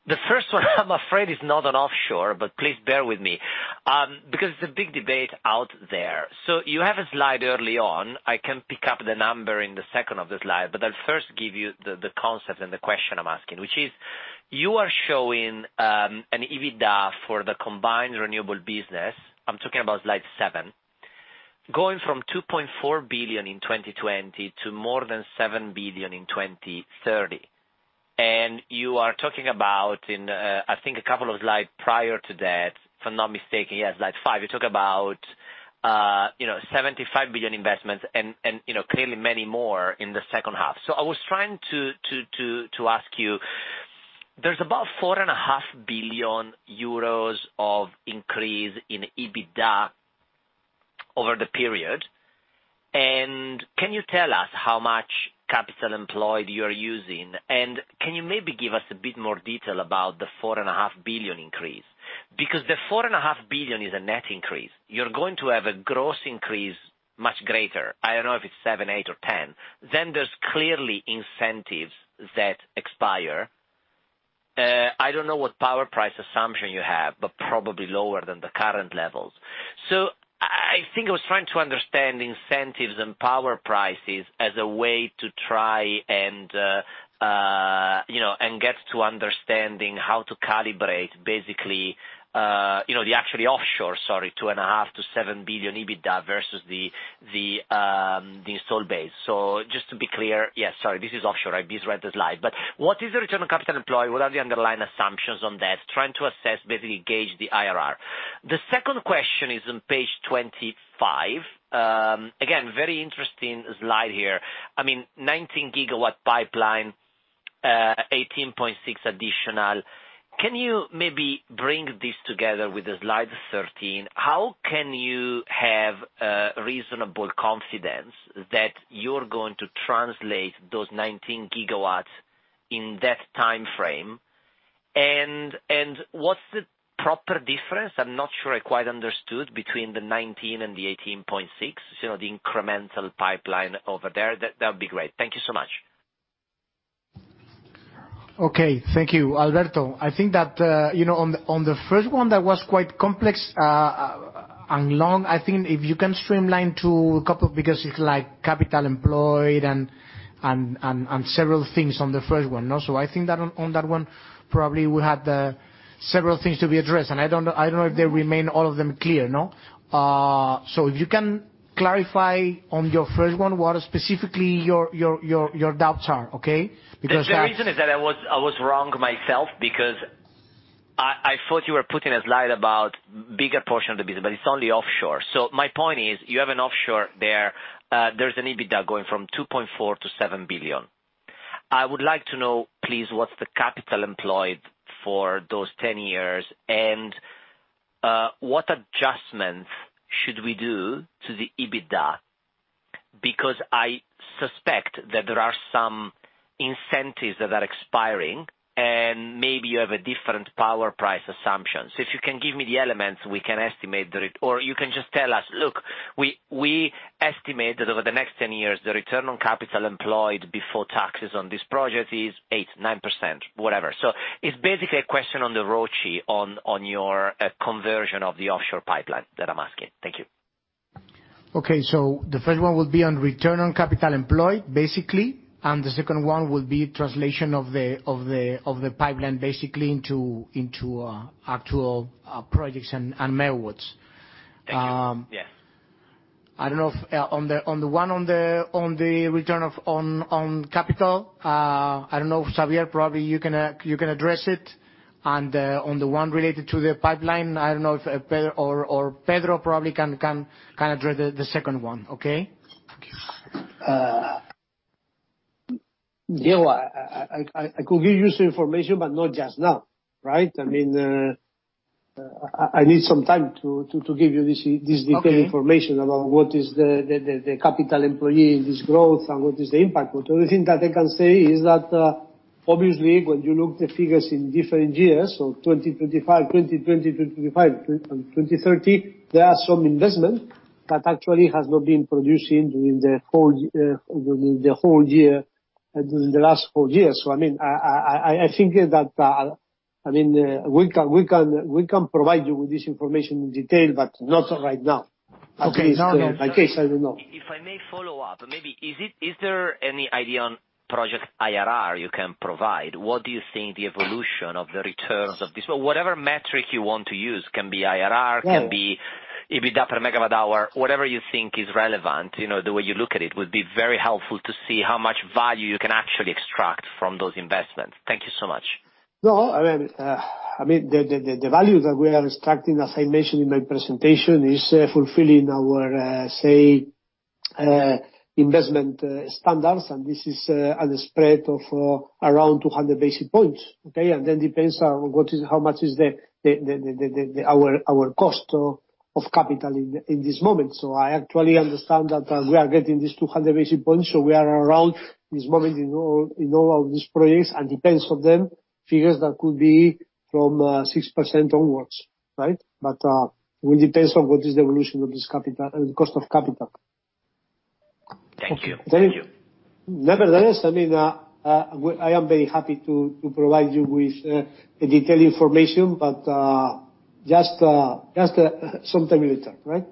The first one, I'm afraid is not on offshore, please bear with me. It's a big debate out there. You have a slide early on, I can pick up the number in the second of the slide, but I'll first give you the concept and the question I'm asking, which is, you are showing an EBITDA for the combined renewable business, I'm talking about slide seven, going from 2.4 billion in 2020 to more than 7 billion in 2030. You are talking about in, I think a couple of slides prior to that, if I'm not mistaken, yes, slide five, you talk about 75 billion investments and clearly many more in the second half. I was trying to ask you, there's about 4.5 billion euros of increase in EBITDA over the period. Can you tell us how much capital employed you're using? Can you maybe give us a bit more detail about the 4.5 billion increase? The 4.5 billion is a net increase. You're going to have a gross increase much greater. I don't know if it's 7 billion, 8 billion, or 10 billion. There's clearly incentives that expire. I don't know what power price assumption you have, but probably lower than the current levels. I think I was trying to understand incentives and power prices as a way to try and get to understanding how to calibrate basically, the actually offshore, sorry, 2.5 billion-7 billion EBITDA versus the install base. Just to be clear, yes, sorry, this is offshore. I misread the slide. What is the return on capital employed? What are the underlying assumptions on that? Trying to assess, basically gauge the IRR. The second question is on page 25. Very interesting slide here. I mean, 19 GW pipeline, 18.6 GW additional. Can you maybe bring this together with the slide 13? How can you have reasonable confidence that you're going to translate those 19 GW in that timeframe? What's the proper difference, I'm not sure I quite understood, between the 19 GW and the 18.6 GW, the incremental pipeline over there? That would be great. Thank you so much. Okay. Thank you, Alberto. I think that on the first one, that was quite complex and long. I think if you can streamline to a couple, because it's capital employed and several things on the first one. I think that on that one, probably we have several things to be addressed, and I don't know if they remain all of them clear, no? If you can clarify on your first one what specifically your doubts are. Okay? The reason is that I was wrong myself because I thought you were putting a slide about bigger portion of the business, but it's only offshore. My point is, you have an offshore there's an EBITDA going from 2.4 billion-7 billion. I would like to know, please, what's the capital employed for those 10 years, and what adjustments should we do to the EBITDA? Because I suspect that there are some incentives that are expiring, and maybe you have a different power price assumption. If you can give me the elements, or you can just tell us, look, we estimate that over the next 10 years, the return on capital employed before taxes on this project is 8%, 9%, whatever. It's basically a question on the ROCE on your conversion of the offshore pipeline that I'm asking. Thank you. Okay. The first one would be on Return on Capital Employed basically, and the second one would be translation of the pipeline basically into actual projects and megawatts. Thank you. Yeah. I don't know. On the one on the return on capital, I don't know, Xabier, probably you can address it. On the one related to the pipeline, I don't know if Pedro probably can address the second one. Okay? I could give you the information, but not just now. Right? I need some time to give you this detailed information about what is the capital employed in this growth and what is the impact. The only thing that I can say is that obviously, when you look at the figures in different years, so 2025 and 2030, there are some investment that actually has not been producing during the whole year, during the last four years. I think that we can provide you with this information in detail, but not right now. Okay. No, no. In case, I don't know. If I may follow up, maybe is there any idea on project IRR you can provide? What do you think the evolution of the returns of this? Whatever metric you want to use, can be IRR, can be EBITDA per megawatt hour, whatever you think is relevant, the way you look at it, would be very helpful to see how much value you can actually extract from those investments. Thank you so much. No, the value that we are extracting, as I mentioned in my presentation, is fulfilling our, say, investment standards, and this is at a spread of around 200 basis points. Okay. Then depends on how much is our cost of capital in this moment. I actually understand that we are getting this 200 basis points, so we are around this moment in all of these projects, and depends on them, figures that could be from 6% onwards. Right. It will depends on what is the evolution of this cost of capital. Thank you. Nevertheless, I am very happy to provide you with the detailed information, but just some time with that. Right?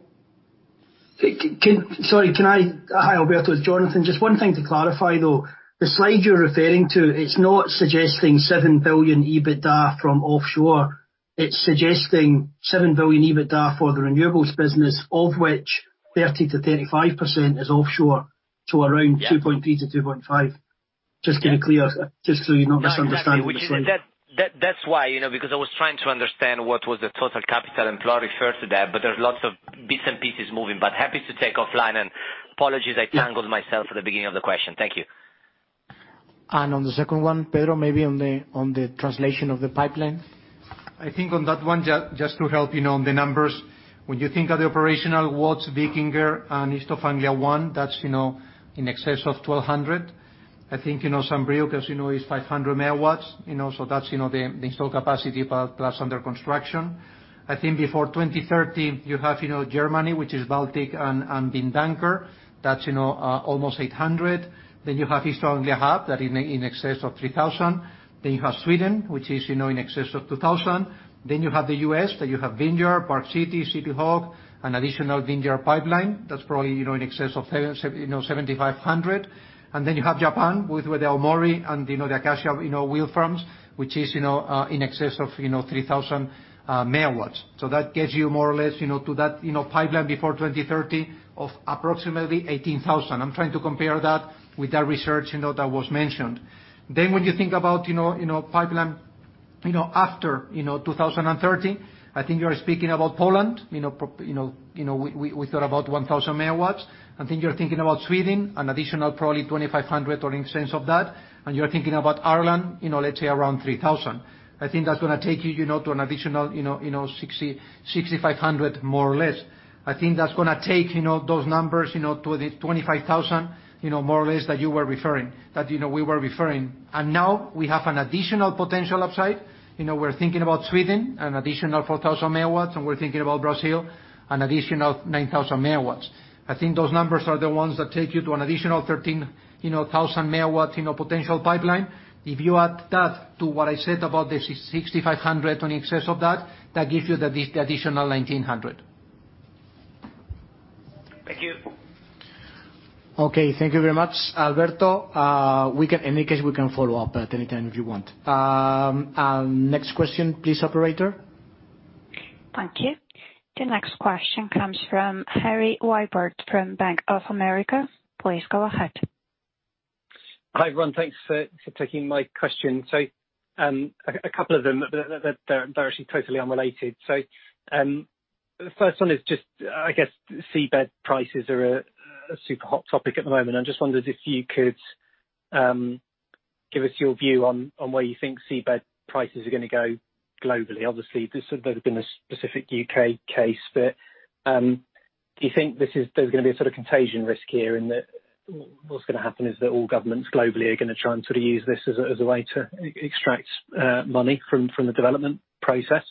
Hi, Alberto, it's Jonathan. Just one thing to clarify, though. The slide you're referring to, it's not suggesting 7 billion EBITDA from offshore. It's suggesting 7 billion EBITDA for the renewables business, of which 30%-35% is offshore, to around 2.3 billion-2.5 billion. Just getting it clear, just so you're not misunderstanding the slide. No, exactly. That's why, because I was trying to understand what was the total capital employed referred to that, but there's lots of bits and pieces moving. Happy to take offline, and apologies, I tangled myself at the beginning of the question. Thank you. On the second one, Pedro, maybe on the translation of the pipeline? I think on that one, just to help you on the numbers. When you think of the operational watts, Wikinger and East Anglia ONE, that's in excess of 1,200 MW. I think Saint-Brieuc, as you know, is 500 MW. That's the installed capacity plus under construction. I think before 2030, you have Germany, which is Baltic and Windanker. That's almost 800 MW. You have East Anglia Hub, that in excess of 3,000 MW. You have Sweden, which is in excess of 2,000 MW. You have the U.S., that you have Vineyard, Park City, Kitty Hawk, an additional Vineyard pipeline, that's probably in excess of 7,500 MW. You have Japan with Aomori and the Acacia wind farms, which is in excess of 3,000 MW. That gets you more or less to that pipeline before 2030 of approximately 18,000 MW. I'm trying to compare that with that research that was mentioned. When you think about pipeline after 2030, I think you're speaking about Poland. We thought about 1,000 MW. I think you're thinking about Sweden, an additional probably 2,500 MW or in the sense of that. You're thinking about Ireland, let's say around 3,000 MW. I think that's going to take you to an additional 6,500 MW more or less. I think that's going to take those numbers to the 25,000 MW, more or less, that you were referring, that we were referring. Now we have an additional potential upside. We're thinking about Sweden, an additional 4,000 MW, and we're thinking about Brazil, an additional 9,000 MW. I think those numbers are the ones that take you to an additional 13,000 MW in a potential pipeline. If you add that to what I said about the 6,500 MW on excess of that gives you the additional 1,900 MW. Thank you. Okay. Thank you very much, Alberto. In any case, we can follow up at any time if you want. Next question, please, operator. Thank you. The next question comes from Harry Wyburd from Bank of America. Please go ahead. Hi, everyone. Thanks for taking my question. A couple of them, but they are actually totally unrelated. The first one is just, I guess seabed prices are a super hot topic at the moment. I just wondered if you could give us your view on where you think seabed prices are going to go globally. Obviously, there has been a specific U.K. case, but do you think there is going to be a sort of contagion risk here in that what is going to happen is that all governments globally are going to try and use this as a way to extract money from the development process?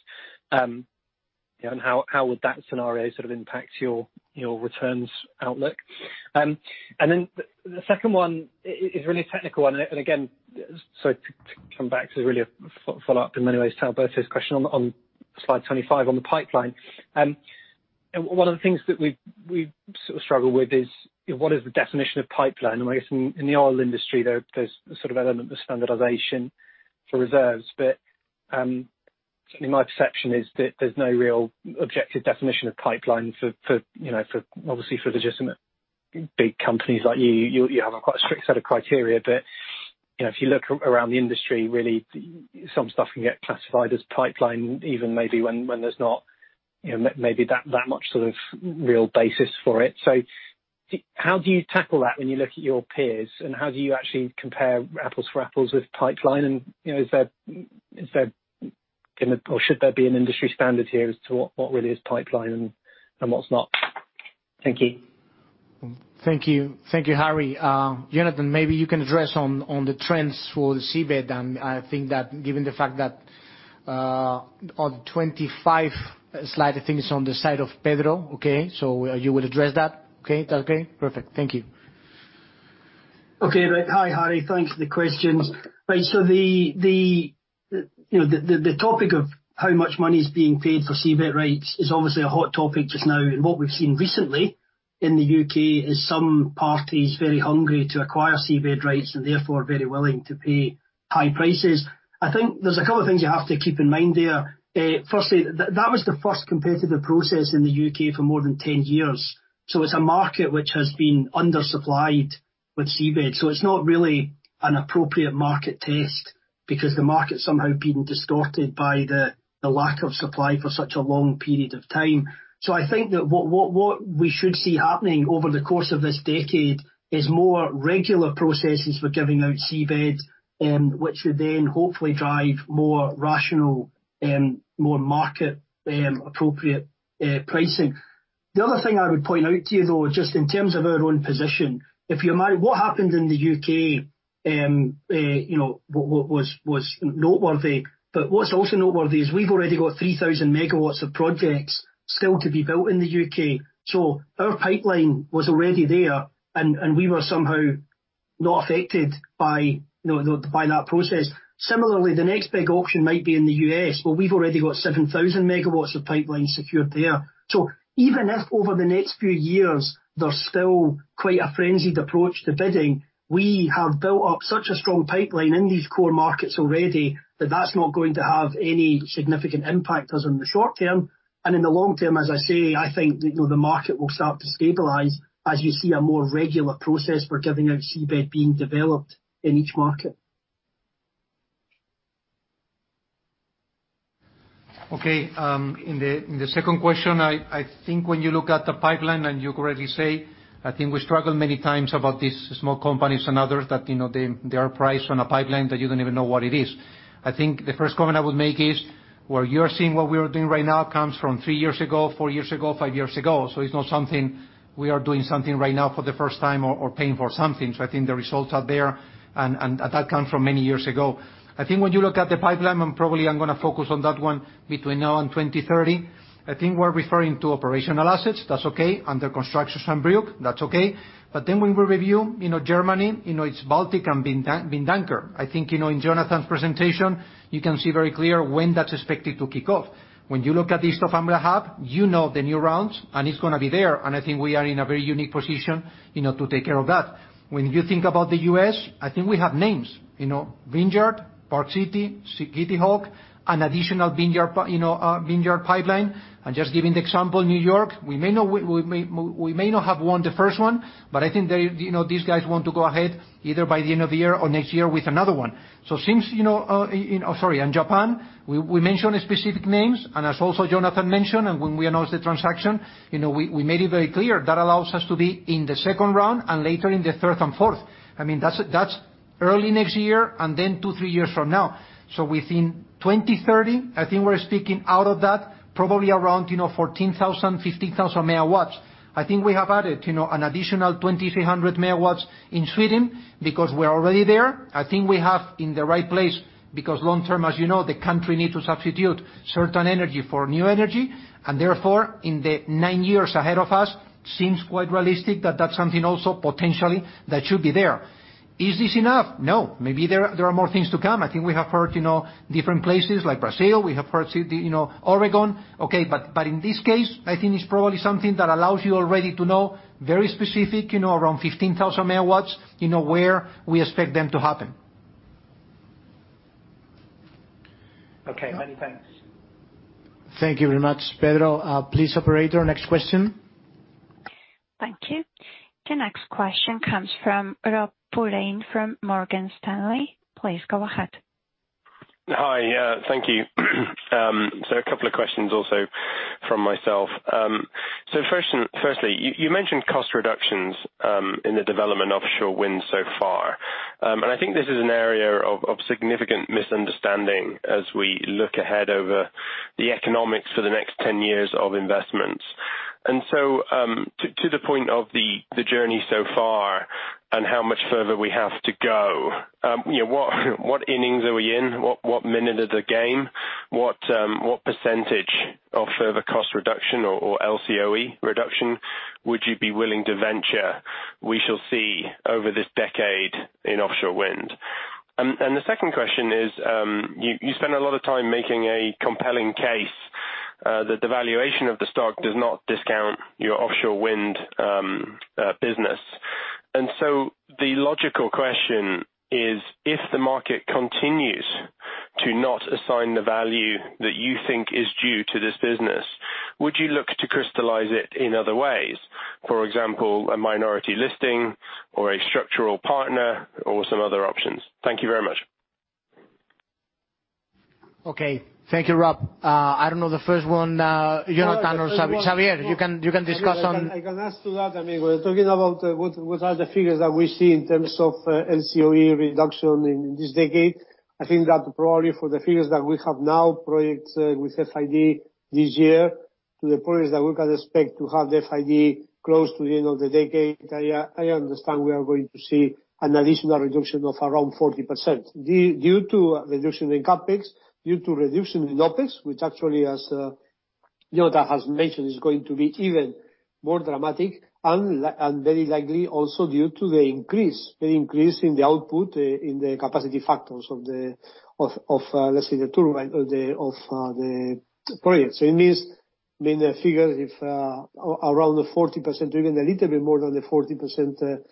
How would that scenario sort of impact your returns outlook? The second one is really a technical one, and again, sorry to come back to really a follow-up in many ways to Alberto's question on slide 25 on the pipeline. One of the things that we've sort of struggled with is what is the definition of pipeline? I guess in the oil industry, there's sort of element of standardization for reserves. Certainly my perception is that there's no real objective definition of pipeline. Obviously for the legitimate big companies like you have a quite strict set of criteria. If you look around the industry, really some stuff can get classified as pipeline, even maybe when there's not maybe that much sort of real basis for it. How do you tackle that when you look at your peers, and how do you actually compare apples for apples with pipeline? Is there, or should there be an industry standard here as to what really is pipeline and what's not? Thank you. Thank you. Thank you, Harry. Jonathan, maybe you can address on the trends for the seabed, and I think that given the fact that on 25 slide, I think it's on the side of Pedro. Okay? You will address that. Okay? That okay? Perfect. Thank you. Okay. Hi, Harry. Thanks for the questions. The topic of how much money is being paid for seabed rights is obviously a hot topic just now. What we've seen recently in the U.K. is some parties very hungry to acquire seabed rights and therefore very willing to pay high prices. I think there's a couple of things you have to keep in mind there. Firstly, that was the first competitive process in the U.K. for more than 10 years. It's a market which has been undersupplied with seabed. It's not really an appropriate market test because the market's somehow been distorted by the lack of supply for such a long period of time. I think that what we should see happening over the course of this decade is more regular processes for giving out seabed, which would then hopefully drive more rational and more market appropriate pricing. The other thing I would point out to you, though, just in terms of our own position, if you might, what happened in the U.K. was noteworthy, but what's also noteworthy is we've already got 3,000 MW of projects still to be built in the U.K. Our pipeline was already there, and we were somehow not affected by that process. Similarly, the next big auction might be in the U.S. We've already got 7,000 MW of pipeline secured there. Even if over the next few years, there's still quite a frenzied approach to bidding, we have built up such a strong pipeline in these core markets already that that's not going to have any significant impact us in the short term. In the long term, as I say, I think the market will start to stabilize as you see a more regular process for giving out seabed being developed in each market. Okay. In the second question, I think when you look at the pipeline, you already say, I think we struggle many times about these small companies and others that they are priced on a pipeline that you don't even know what it is. I think the first comment I would make is, where you are seeing what we are doing right now comes from three years ago, four years ago, five years ago. It's not something we are doing something right now for the first time or paying for something. I think the results are there, and that comes from many years ago. I think when you look at the pipeline, probably I'm going to focus on that one between now and 2030, I think we're referring to operational assets, that's okay, under constructions in Saint-Brieuc, that's okay. When we review Germany, its Baltic and Windanker. I think in Jonathan's presentation, you can see very clear when that's expected to kick off. When you look at the East Anglia Hub, you know the new rounds, it's going to be there. I think we are in a very unique position to take care of that. When you think about the U.S., I think we have names. Vineyard, Park City Wind, Kitty Hawk, an additional Vineyard pipeline. I'm just giving the example, New York, we may not have won the first one, I think these guys want to go ahead either by the end of the year or next year with another one. Since Sorry, Japan, we mentioned specific names, as also Jonathan mentioned, when we announced the transaction, we made it very clear that allows us to be in the second round and later in the third and fourth. I mean, early next year, then two, three years from now. Within 2030, I think we're speaking out of that, probably around 14,000 MW, 15,000 MW. I think we have added an additional 2,300 MW in Sweden because we are already there. I think we have in the right place, because long-term, as you know, the country need to substitute certain energy for new energy, and therefore, in the nine years ahead of us, seems quite realistic that that's something also potentially that should be there. Is this enough? No. Maybe there are more things to come. I think we have heard different places like Brazil, we have heard Oregon. Okay, but in this case, I think it is probably something that allows you already to know very specific, around 15,000 MW, where we expect them to happen. Okay. Many thanks. Thank you very much, Pedro. Please, operator, next question. Thank you. The next question comes from Rob Pulleyn from Morgan Stanley. Please go ahead. Hi. Thank you. A couple of questions also from myself. Firstly, you mentioned cost reductions in the development of offshore wind so far. I think this is an area of significant misunderstanding as we look ahead over the economics for the next 10 years of investments. To the point of the journey so far and how much further we have to go, what innings are we in? What minute of the game? What percentage of further cost reduction or LCOE reduction would you be willing to venture we shall see over this decade in offshore wind? The second question is, you spend a lot of time making a compelling case that the valuation of the stock does not discount your offshore wind business. The logical question is, if the market continues to not assign the value that you think is due to this business, would you look to crystallize it in other ways? For example, a minority listing or a structural partner or some other options? Thank you very much. Okay. Thank you, Rob. I don't know the first one, you have done or Xabier. Xabier, you can discuss. I can add to that. We're talking about what are the figures that we see in terms of LCOE reduction in this decade. I think that probably for the figures that we have now, projects with FID this year, to the projects that we can expect to have FID close to the end of the decade. I understand we are going to see an additional reduction of around 40%. Due to reduction in CapEx, due to reduction in OpEx, which actually, as Jonathan has mentioned, is going to be even more dramatic and very likely also due to the increase in the output in the capacity factors of the projects. It means the figure is around 40%, even a little bit more than the 40%,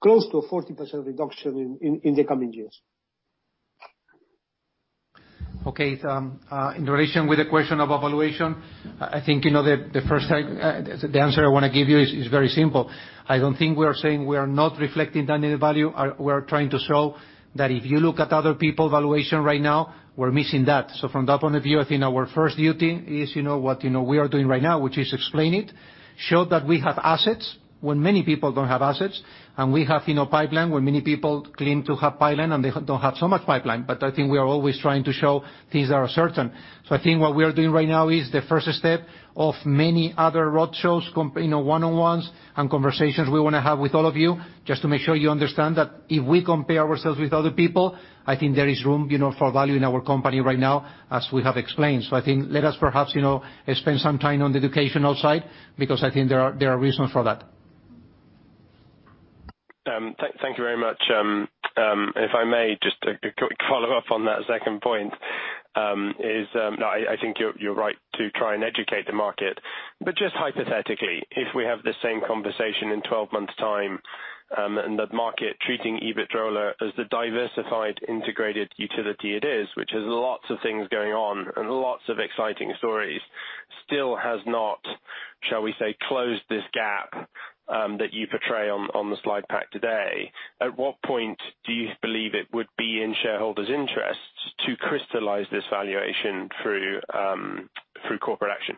close to a 40% reduction in the coming years. Okay. In relation with the question of valuation, I think the answer I want to give you is very simple. I don't think we are saying we are not reflecting down any value. We are trying to show that if you look at other people valuation right now, we're missing that. From that point of view, I think our first duty is what we are doing right now, which is explain it, show that we have assets when many people don't have assets, and we have pipeline when many people claim to have pipeline, and they don't have so much pipeline. I think we are always trying to show things that are certain. I think what we are doing right now is the first step of many other road shows, one-on-ones and conversations we want to have with all of you just to make sure you understand that if we compare ourselves with other people, I think there is room for value in our company right now, as we have explained. I think, let us perhaps spend some time on the educational side, because I think there are reasons for that. Thank you very much. If I may just a quick follow-up on that second point, is, I think you're right to try and educate the market, just hypothetically, if we have the same conversation in 12 months time, and the market treating Iberdrola as the diversified integrated utility it is, which has lots of things going on and lots of exciting stories, still has not, shall we say, closed this gap that you portray on the slide pack today. At what point do you believe it would be in shareholders' interests to crystallize this valuation through corporate action?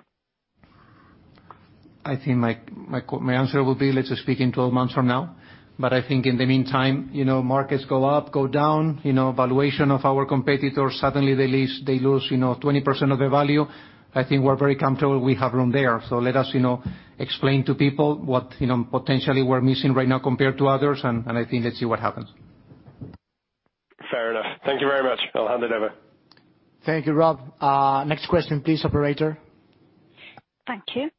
I think my answer will be, let's speak in 12 months from now. I think in the meantime, markets go up, go down. Valuation of our competitors, suddenly they lose 20% of their value. I think we're very comfortable we have room there. Let us explain to people what potentially we're missing right now compared to others, and I think let's see what happens. Fair enough. Thank you very much. I'll hand it over. Thank you, Rob. Next question please, operator. Thank you.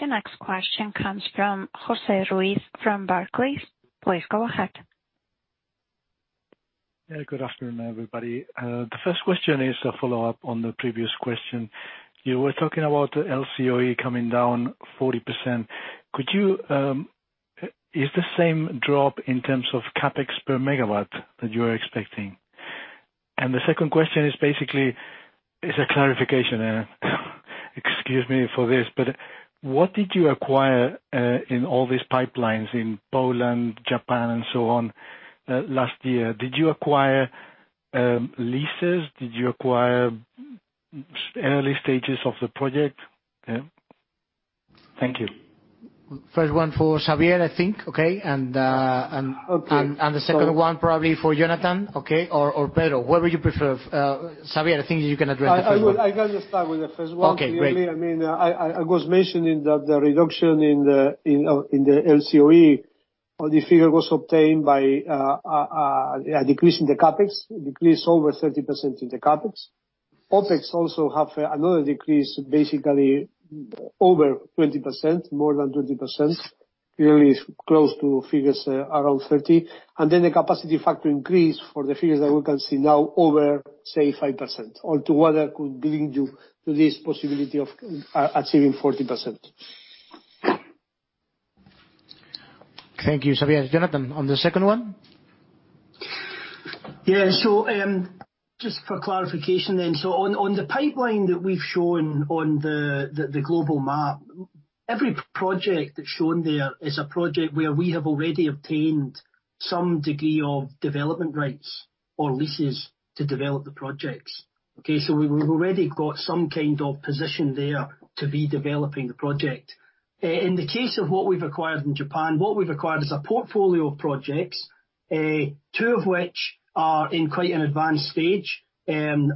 The next question comes from José Ruiz from Barclays. Please go ahead. Yeah, good afternoon, everybody. The first question is a follow-up on the previous question. You were talking about the LCOE coming down 40%. Is the same drop in terms of CapEx per megawatt that you are expecting? The second question is basically is a clarification. Excuse me for this, but what did you acquire in all these pipelines in Poland, Japan, and so on, last year? Did you acquire leases? Did you acquire early stages of the project? Yeah. Thank you. First one for Xabier, I think, okay? The second one probably for Jonathan, okay? Or Pedro, whoever you prefer. Xabier, I think you can address the first one. I can just start with the first one. Okay, great. I was mentioning that the reduction in the LCOE or the figure was obtained by a decrease in the CapEx, a decrease over 30% in the CapEx. OpEx also have another decrease, basically over 20%, more than 20%, really close to figures around 30%. The capacity factor increase for the figures that we can see now over, say, 5% or together could bring you to this possibility of achieving 40%. Thank you, Xabier. Jonathan, on the second one? Yeah. Just for clarification then, so on the pipeline that we've shown on the global map, every project that's shown there is a project where we have already obtained some degree of development rights or leases to develop the projects. Okay? We've already got some kind of position there to be developing the project. In the case of what we've acquired in Japan, what we've acquired is a portfolio of projects, two of which are in quite an advanced stage and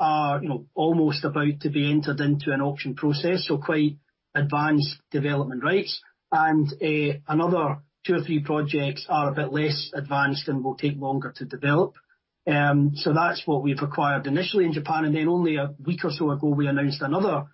are almost about to be entered into an auction process, so quite advanced development rights. Another two or three projects are a bit less advanced and will take longer to develop. That's what we've acquired initially in Japan. Only a week or so ago, we announced another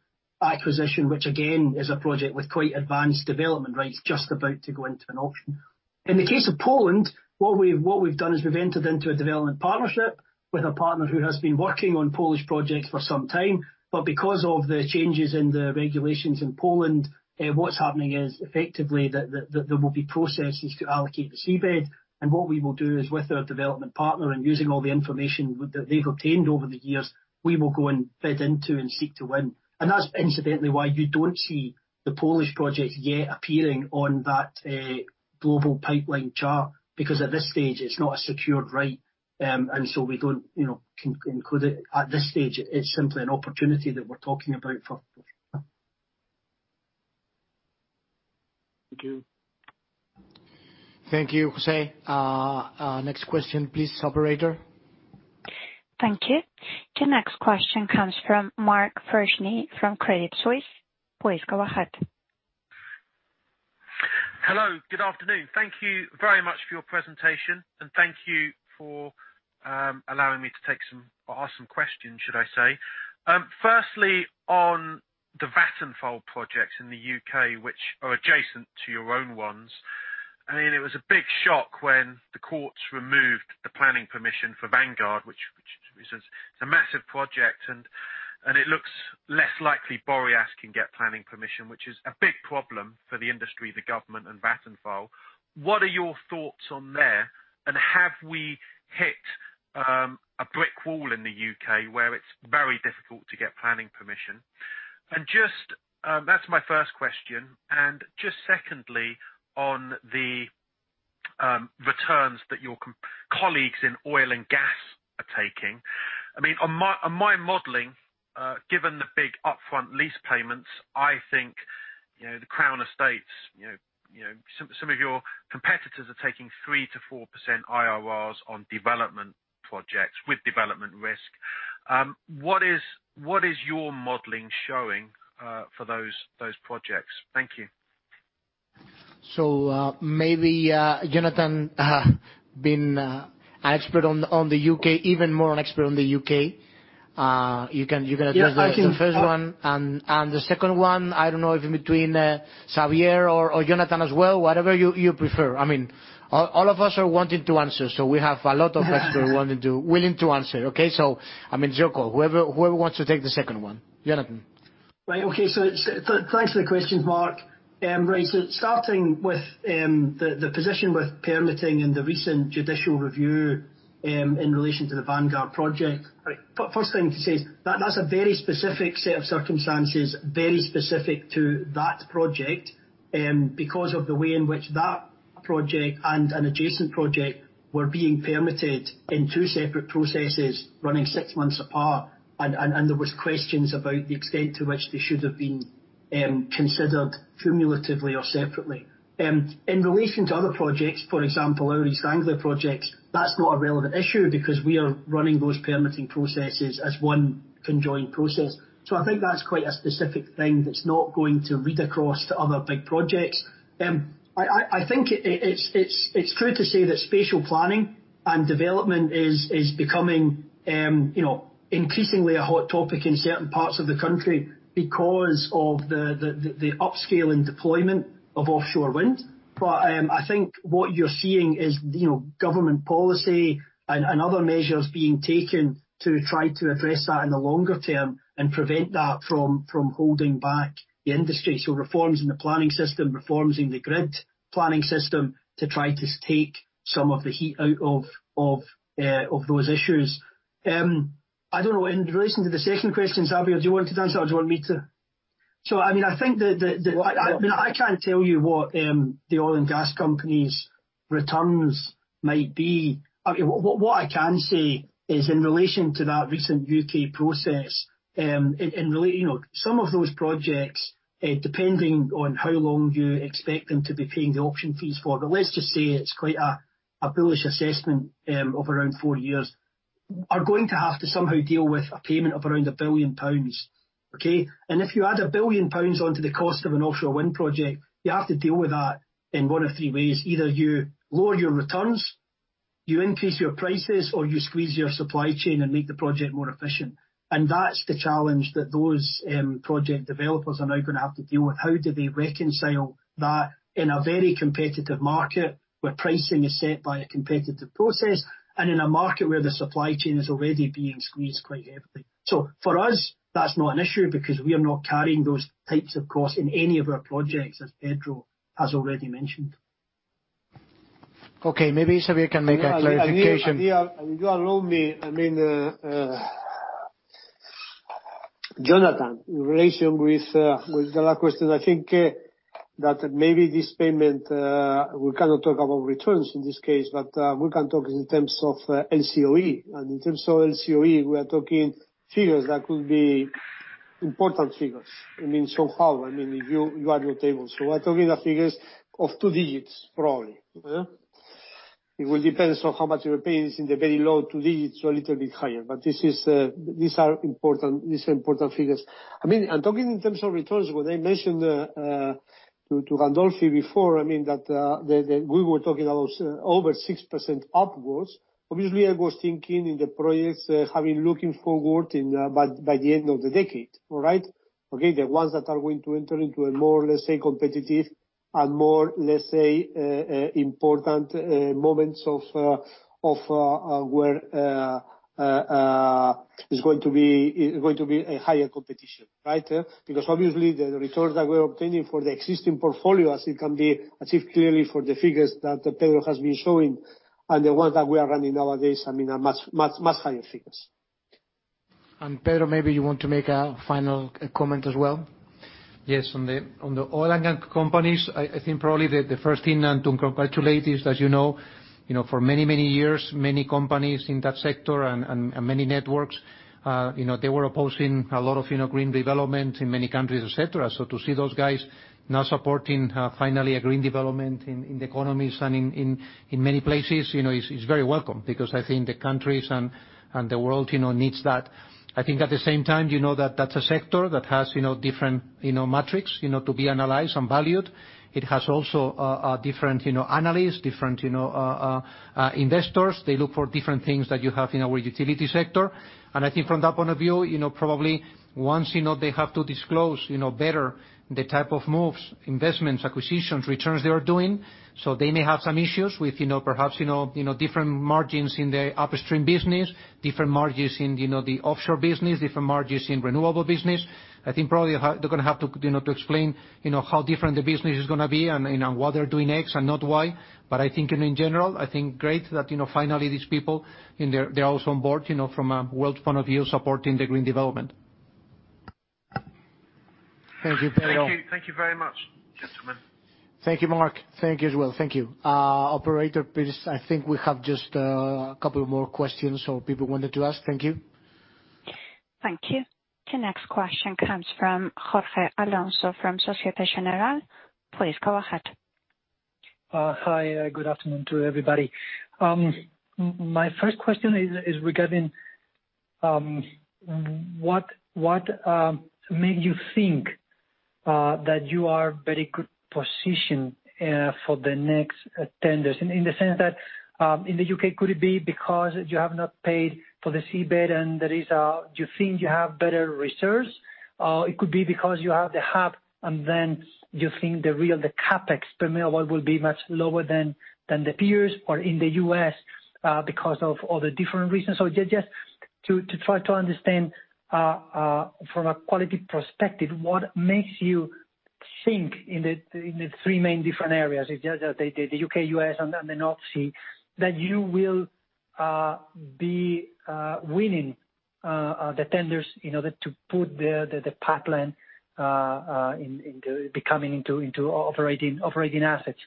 acquisition, which again, is a project with quite advanced development rights, just about to go into an auction. In the case of Poland, what we've done is we've entered into a development partnership with a partner who has been working on Polish projects for some time. Because of the changes in the regulations in Poland, what's happening is effectively that there will be processes to allocate the seabed. What we will do is with our development partner and using all the information that they've obtained over the years, we will go and bid into and seek to win. That's incidentally why you don't see the Polish project yet appearing on that global pipeline chart, because at this stage, it's not a secured right, and so we don't include it. At this stage, it's simply an opportunity that we're talking about for sure. Thank you. Thank you, José. Next question, please, operator. Thank you. The next question comes from Mark Freshney from Credit Suisse. Please go ahead. Hello. Good afternoon. Thank you very much for your presentation, and thank you for allowing me to take some or ask some questions, should I say. Firstly, on the Vattenfall projects in the U.K., which are adjacent to your own ones, it was a big shock when the courts removed the planning permission for Vanguard, which is a massive project, and it looks less likely Boreas can get planning permission, which is a big problem for the industry, the government, and Vattenfall. What are your thoughts on there, and have we hit a brick wall in the U.K. where it's very difficult to get planning permission? That's my first question. Just secondly, on the returns that your colleagues in oil and gas are taking. On my modeling, given the big upfront lease payments, I think, the Crown Estate, some of your competitors are taking 3%-4% IRRs on development projects with development risk. What is your modeling showing for those projects? Thank you. Maybe Jonathan, being an expert on the U.K., even more an expert on the U.K., you can address the first one. The second one, I don't know if between Xabier or Jonathan as well, whatever you prefer. All of us are wanting to answer, so we have a lot of experts willing to answer. Okay? It's your call, whoever wants to take the second one. Jonathan. Okay, thanks for the questions, Mark. Starting with the position with permitting and the recent judicial review in relation to the Vanguard project. First thing to say is that's a very specific set of circumstances, very specific to that project, because of the way in which that project and an adjacent project were being permitted in two separate processes running six months apart, and there was questions about the extent to which they should have been considered cumulatively or separately. In relation to other projects, for example, our East Anglia projects, that's not a relevant issue because we are running those permitting processes as one conjoined process. I think that's quite a specific thing that's not going to read across to other big projects. I think it's fair to say that spatial planning and development is becoming increasingly a hot topic in certain parts of the country because of the upscale and deployment of offshore wind. I think what you're seeing is government policy and other measures being taken to try to address that in the longer term and prevent that from holding back the industry. Reforms in the planning system, reforms in the grid planning system to try to take some of the heat out of those issues. I don't know. In relation to the second question, Xabier, do you want to answer or do you want me to? Well- I can't tell you what the oil and gas companies returns might be. What I can say is in relation to that recent U.K. process, some of those projects, depending on how long you expect them to be paying the option fees for, but let's just say it's quite a bullish assessment of around four years, are going to have to somehow deal with a payment of around 1 billion pounds. Okay. If you add 1 billion pounds onto the cost of an offshore wind project, you have to deal with that in one of three ways. Either you lower your returns, you increase your prices, or you squeeze your supply chain and make the project more efficient. That's the challenge that those project developers are now going to have to deal with. How do they reconcile that in a very competitive market where pricing is set by a competitive process, and in a market where the supply chain is already being squeezed quite heavily? For us, that's not an issue because we are not carrying those types of costs in any of our projects, as Pedro has already mentioned. Okay. Maybe Xabier can make a clarification. If you allow me. Jonathan, in relation with the question, I think that maybe this payment, we cannot talk about returns in this case, but we can talk in terms of LCOE. In terms of LCOE, we are talking figures that could be important figures. Somehow, you have your tables. We are talking the figures of two digits, probably. It will depend on how much you are paying, is in the very low two digits or a little bit higher. These are important figures. Talking in terms of returns, when I mentioned to Gandolfi before that we were talking about over 6% upwards, obviously, I was thinking in the projects looking forward by the end of the decade. All right? The ones that are going to enter into a more, let's say, competitive and more important moments of where is going to be a higher competition. Right? Obviously, the returns that we're obtaining for the existing portfolio, as it can be achieved clearly for the figures that Pedro has been showing and the ones that we are running nowadays are much higher figures. Pedro, maybe you want to make a final comment as well. Yes. On the oil and gas companies, I think probably the first thing to congratulate is that for many years, many companies in that sector and many networks, they were opposing a lot of green development in many countries, et cetera. To see those guys now supporting finally a green development in the economies and in many places is very welcome, because I think the countries and the world needs that. I think at the same time, that's a sector that has different metrics to be analyzed and valued. It has also different analysts, different investors. They look for different things that you have in our utility sector. I think from that point of view, probably once they have to disclose better the type of moves, investments, acquisitions, returns they are doing. They may have some issues with perhaps different margins in the upstream business, different margins in the offshore business, different margins in renewable business. I think probably they're going to have to explain how different the business is going to be and why they're doing X and not Y. I think in general, I think great that finally these people, they're also on board, from a world point of view, supporting the green development. Thank you, Pedro. Thank you very much, gentlemen. Thank you, Mark. Thank you as well. Thank you. Operator, please, I think we have just a couple more questions so people wanted to ask. Thank you. Thank you. The next question comes from Jorge Alonso from Société Générale. Please go ahead. Hi, good afternoon to everybody. My first question is regarding what made you think that you are very good position for the next tenders, in the sense that in the U.K., could it be because you have not paid for the seabed? Do you think you have better reserves? It could be because you have the hub and then you think the real, the CapEx per megawatt will be much lower than the peers? In the U.S. because of all the different reasons? Just to try to understand from a quality perspective, what makes you think in the three main different areas, the U.K., U.S., and the North Sea, that you will be winning the tenders to put the pipeline becoming into operating assets.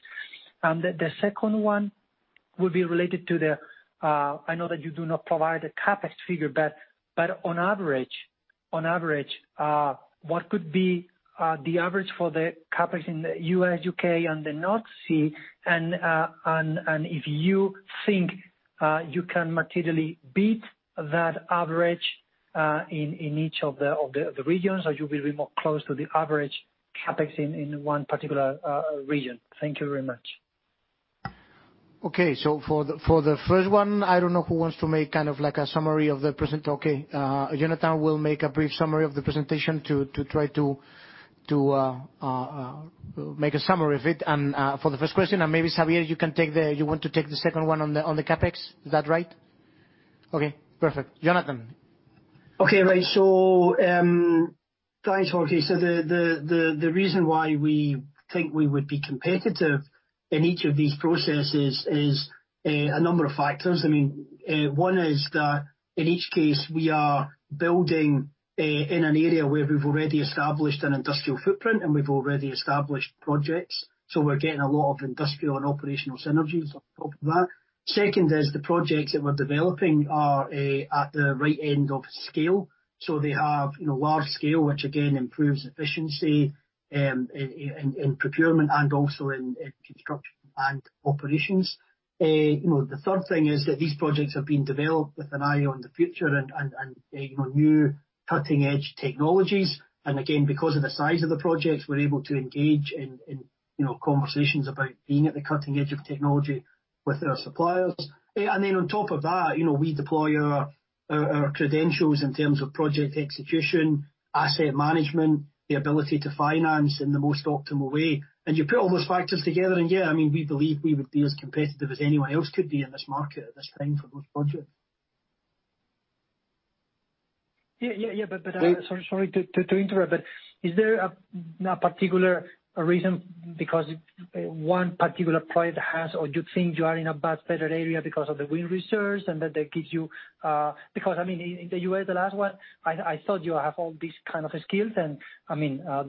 The second one will be related to the I know that you do not provide a CapEx figure, but on average, what could be the average for the CapEx in the U.S., U.K., and the North Sea? If you think you can materially beat that average in each of the regions, or you will be more close to the average CapEx in one particular region. Thank you very much. Okay. For the first one, I don't know who wants to make kind of like a summary of the present. Okay. Jonathan will make a brief summary of the presentation to try to make a summary of it. For the first question, maybe Xabier, you want to take the second one on the CapEx. Is that right? Okay, perfect. Jonathan? Okay. Thanks, Jorge. The reason why we think we would be competitive in each of these processes is a number of factors. One is that in each case, we are building in an area where we've already established an industrial footprint, and we've already established projects. We're getting a lot of industrial and operational synergies on top of that. Second is the projects that we're developing are at the right end of scale. They have large scale, which again improves efficiency in procurement and also in construction and operations. The third thing is that these projects have been developed with an eye on the future and new cutting-edge technologies. Again, because of the size of the projects, we're able to engage in conversations about being at the cutting edge of technology with our suppliers. Then on top of that, we deploy our credentials in terms of project execution, asset management, the ability to finance in the most optimal way. You put all those factors together and yeah, we believe we would be as competitive as anyone else could be in this market at this time for those projects. Yeah. Sorry to interrupt. Is there a particular reason because one particular project has, or you think you are in a better area because of the wind resource and that gives you Because in the U.S., the last one, I thought you have all these kind of skills and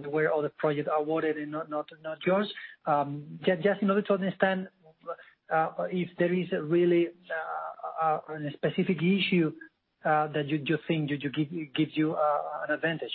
where all the projects are awarded and not yours. Just in order to understand if there is a really specific issue that you think gives you an advantage.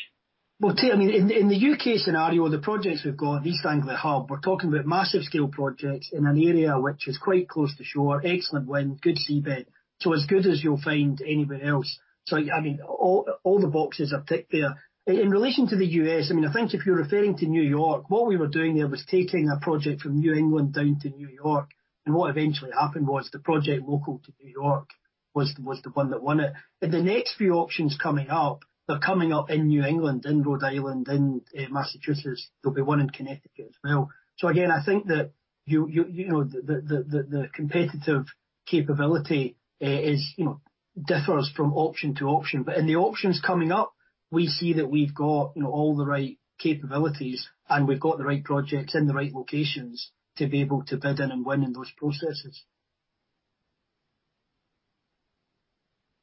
Well, in the U.K. scenario, the projects we've got, East Anglia Hub, we're talking about massive-scale projects in an area which is quite close to shore, excellent wind, good seabed. As good as you'll find anywhere else. All the boxes are ticked there. In relation to the U.S., I think if you're referring to New York, what we were doing there was taking a project from New England down to New York, and what eventually happened was the project local to New York was the one that won it. In the next few auctions coming up, they're coming up in New England, in Rhode Island, in Massachusetts. There'll be one in Connecticut as well. Again, I think that the competitive capability differs from auction to auction. In the auctions coming up, we see that we've got all the right capabilities, and we've got the right projects in the right locations to be able to bid in and win in those processes.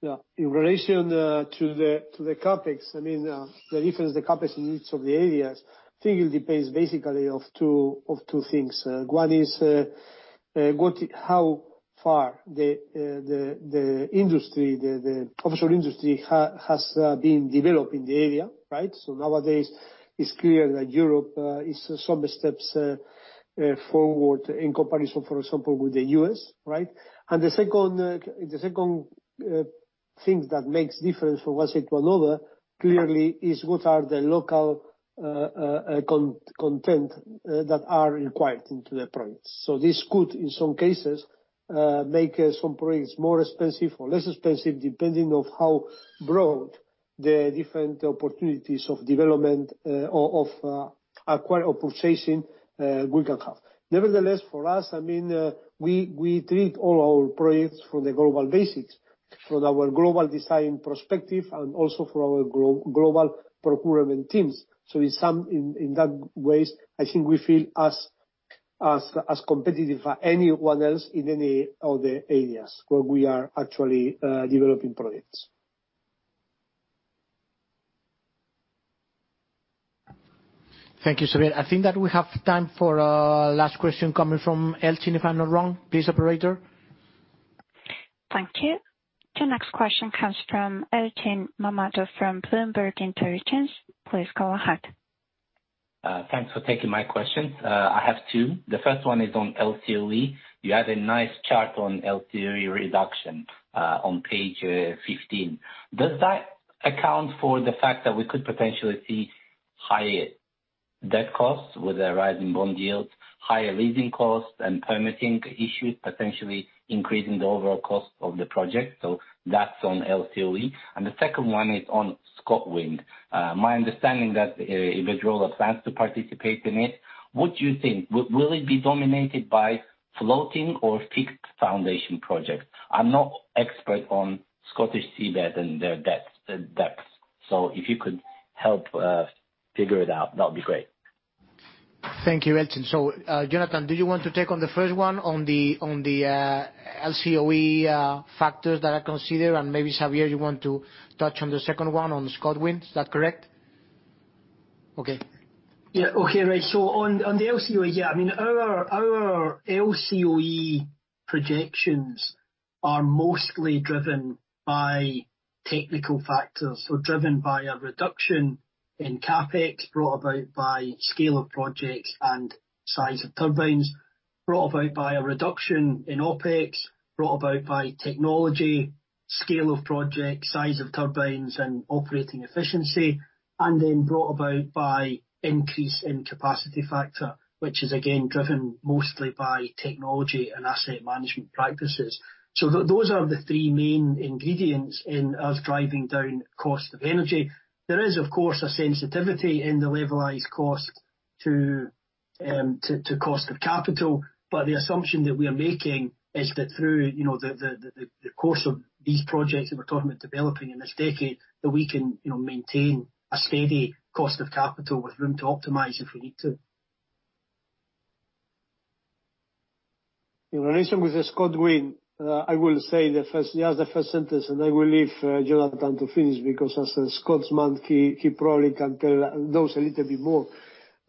Yeah. In relation to the CapEx, the difference the CapEx in each of the areas, I think it depends basically of two things. One is, how far the offshore industry has been developed in the area, right? Nowadays it's clear that Europe is some steps forward in comparison, for example, with the U.S., right? The second thing that makes difference from one sector to another, clearly is what are the local content that are required into the projects. This could, in some cases, make some projects more expensive or less expensive, depending on how broad the different opportunities of development of acquire or purchasing we can have. Nevertheless, for us, we treat all our projects from the global basics, from our global design perspective, and also from our global procurement teams. In that ways, I think we feel as competitive as anyone else in any other areas where we are actually developing projects. Thank you, Xabier. I think that we have time for a last question coming from Elchin, if I am not wrong. Please, operator. Thank you. The next question comes from Elchin Mammadov from Bloomberg Intelligence. Please go ahead. Thanks for taking my questions. I have two. The first one is on LCOE. You had a nice chart on LCOE reduction on page 15. Does that account for the fact that we could potentially see higher debt costs with a rise in bond yields, higher leasing costs, and permitting issues, potentially increasing the overall cost of the project? That's on LCOE. The second one is on ScotWind. My understanding that Iberdrola plans to participate in it. What do you think, will it be dominated by floating or fixed foundation projects? I'm not expert on Scottish seabed and their depths. If you could help figure it out, that would be great. Thank you, Elchin. Jonathan, do you want to take on the first one on the LCOE factors that are considered? Maybe, Xabier, you want to touch on the second one on ScotWind. Is that correct? Okay. Yeah. Okay. On the LCOE, our LCOE projections are mostly driven by technical factors or driven by a reduction in CapEx brought about by scale of projects and size of turbines. Brought about by a reduction in OpEx, brought about by technology, scale of projects, size of turbines, and operating efficiency, and then brought about by increase in capacity factor, which is again, driven mostly by technology and asset management practices. Those are the three main ingredients in us driving down cost of energy. There is, of course, a sensitivity in the levelized cost to cost of capital. The assumption that we are making is that through the course of these projects that we're talking about developing in this decade, that we can maintain a steady cost of capital with room to optimize if we need to. In relation with the ScotWind, I will say just the first sentence, and I will leave Jonathan to finish because as a Scotsman, he probably knows a little bit more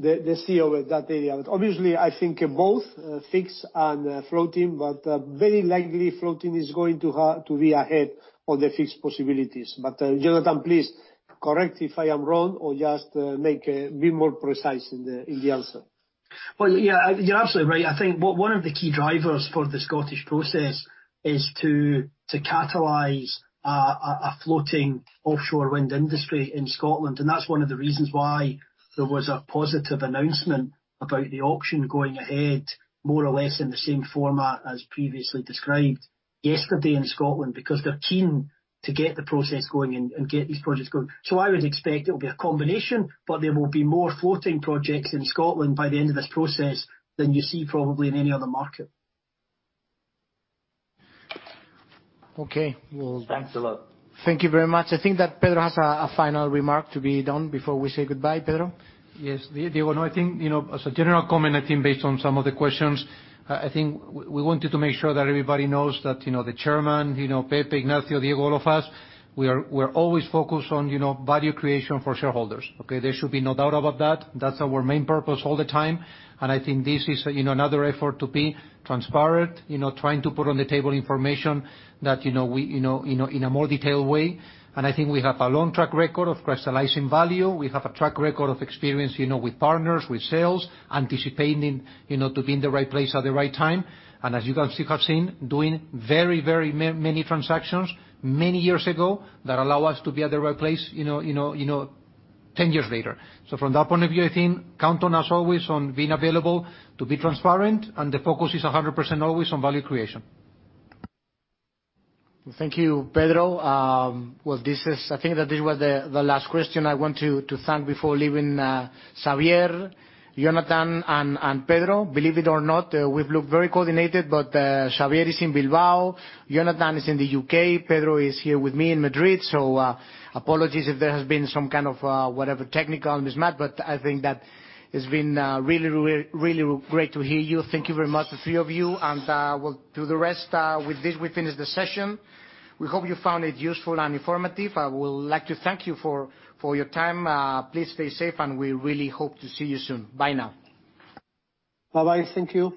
the scene over that area. Obviously, I think both fixed and floating, but very likely floating is going to be ahead of the fixed possibilities. Jonathan, please correct me if I am wrong or just be more precise in the answer. Well, yeah, you're absolutely right. I think one of the key drivers for the Scottish process is to catalyze a floating offshore wind industry in Scotland. That's one of the reasons why there was a positive announcement about the auction going ahead more or less in the same format as previously described yesterday in Scotland, because they're keen to get the process going and get these projects going. I would expect it will be a combination, but there will be more floating projects in Scotland by the end of this process than you see probably in any other market. Okay. Thank you very much. I think that Pedro has a final remark to be done before we say goodbye. Pedro? Yes, Diego. As a general comment, I think based on some of the questions, I think we wanted to make sure that everybody knows that the chairman, Pepe Ignacio, Diego, all of us, we're always focused on value creation for shareholders. Okay? There should be no doubt about that. That's our main purpose all the time. I think this is another effort to be transparent, trying to put on the table information in a more detailed way. I think we have a long track record of crystallizing value. We have a track record of experience with partners, with sales, anticipating to be in the right place at the right time. As you have seen, doing very many transactions many years ago that allow us to be at the right place 10 years later. From that point of view, I think count on us always on being available to be transparent, and the focus is 100% always on value creation. Thank you, Pedro. Well, I think that this was the last question. I want to thank, before leaving, Xabier, Jonathan, and Pedro. Believe it or not, we've looked very coordinated, but Xabier is in Bilbao, Jonathan is in the U.K., Pedro is here with me in Madrid, so apologies if there has been some kind of whatever technical mismatch, but I think that it's been really great to hear you. Thank you very much, the three of you. We'll do the rest with this. We finish the session. We hope you found it useful and informative. I would like to thank you for your time. Please stay safe, and we really hope to see you soon. Bye now. Bye-bye. Thank you.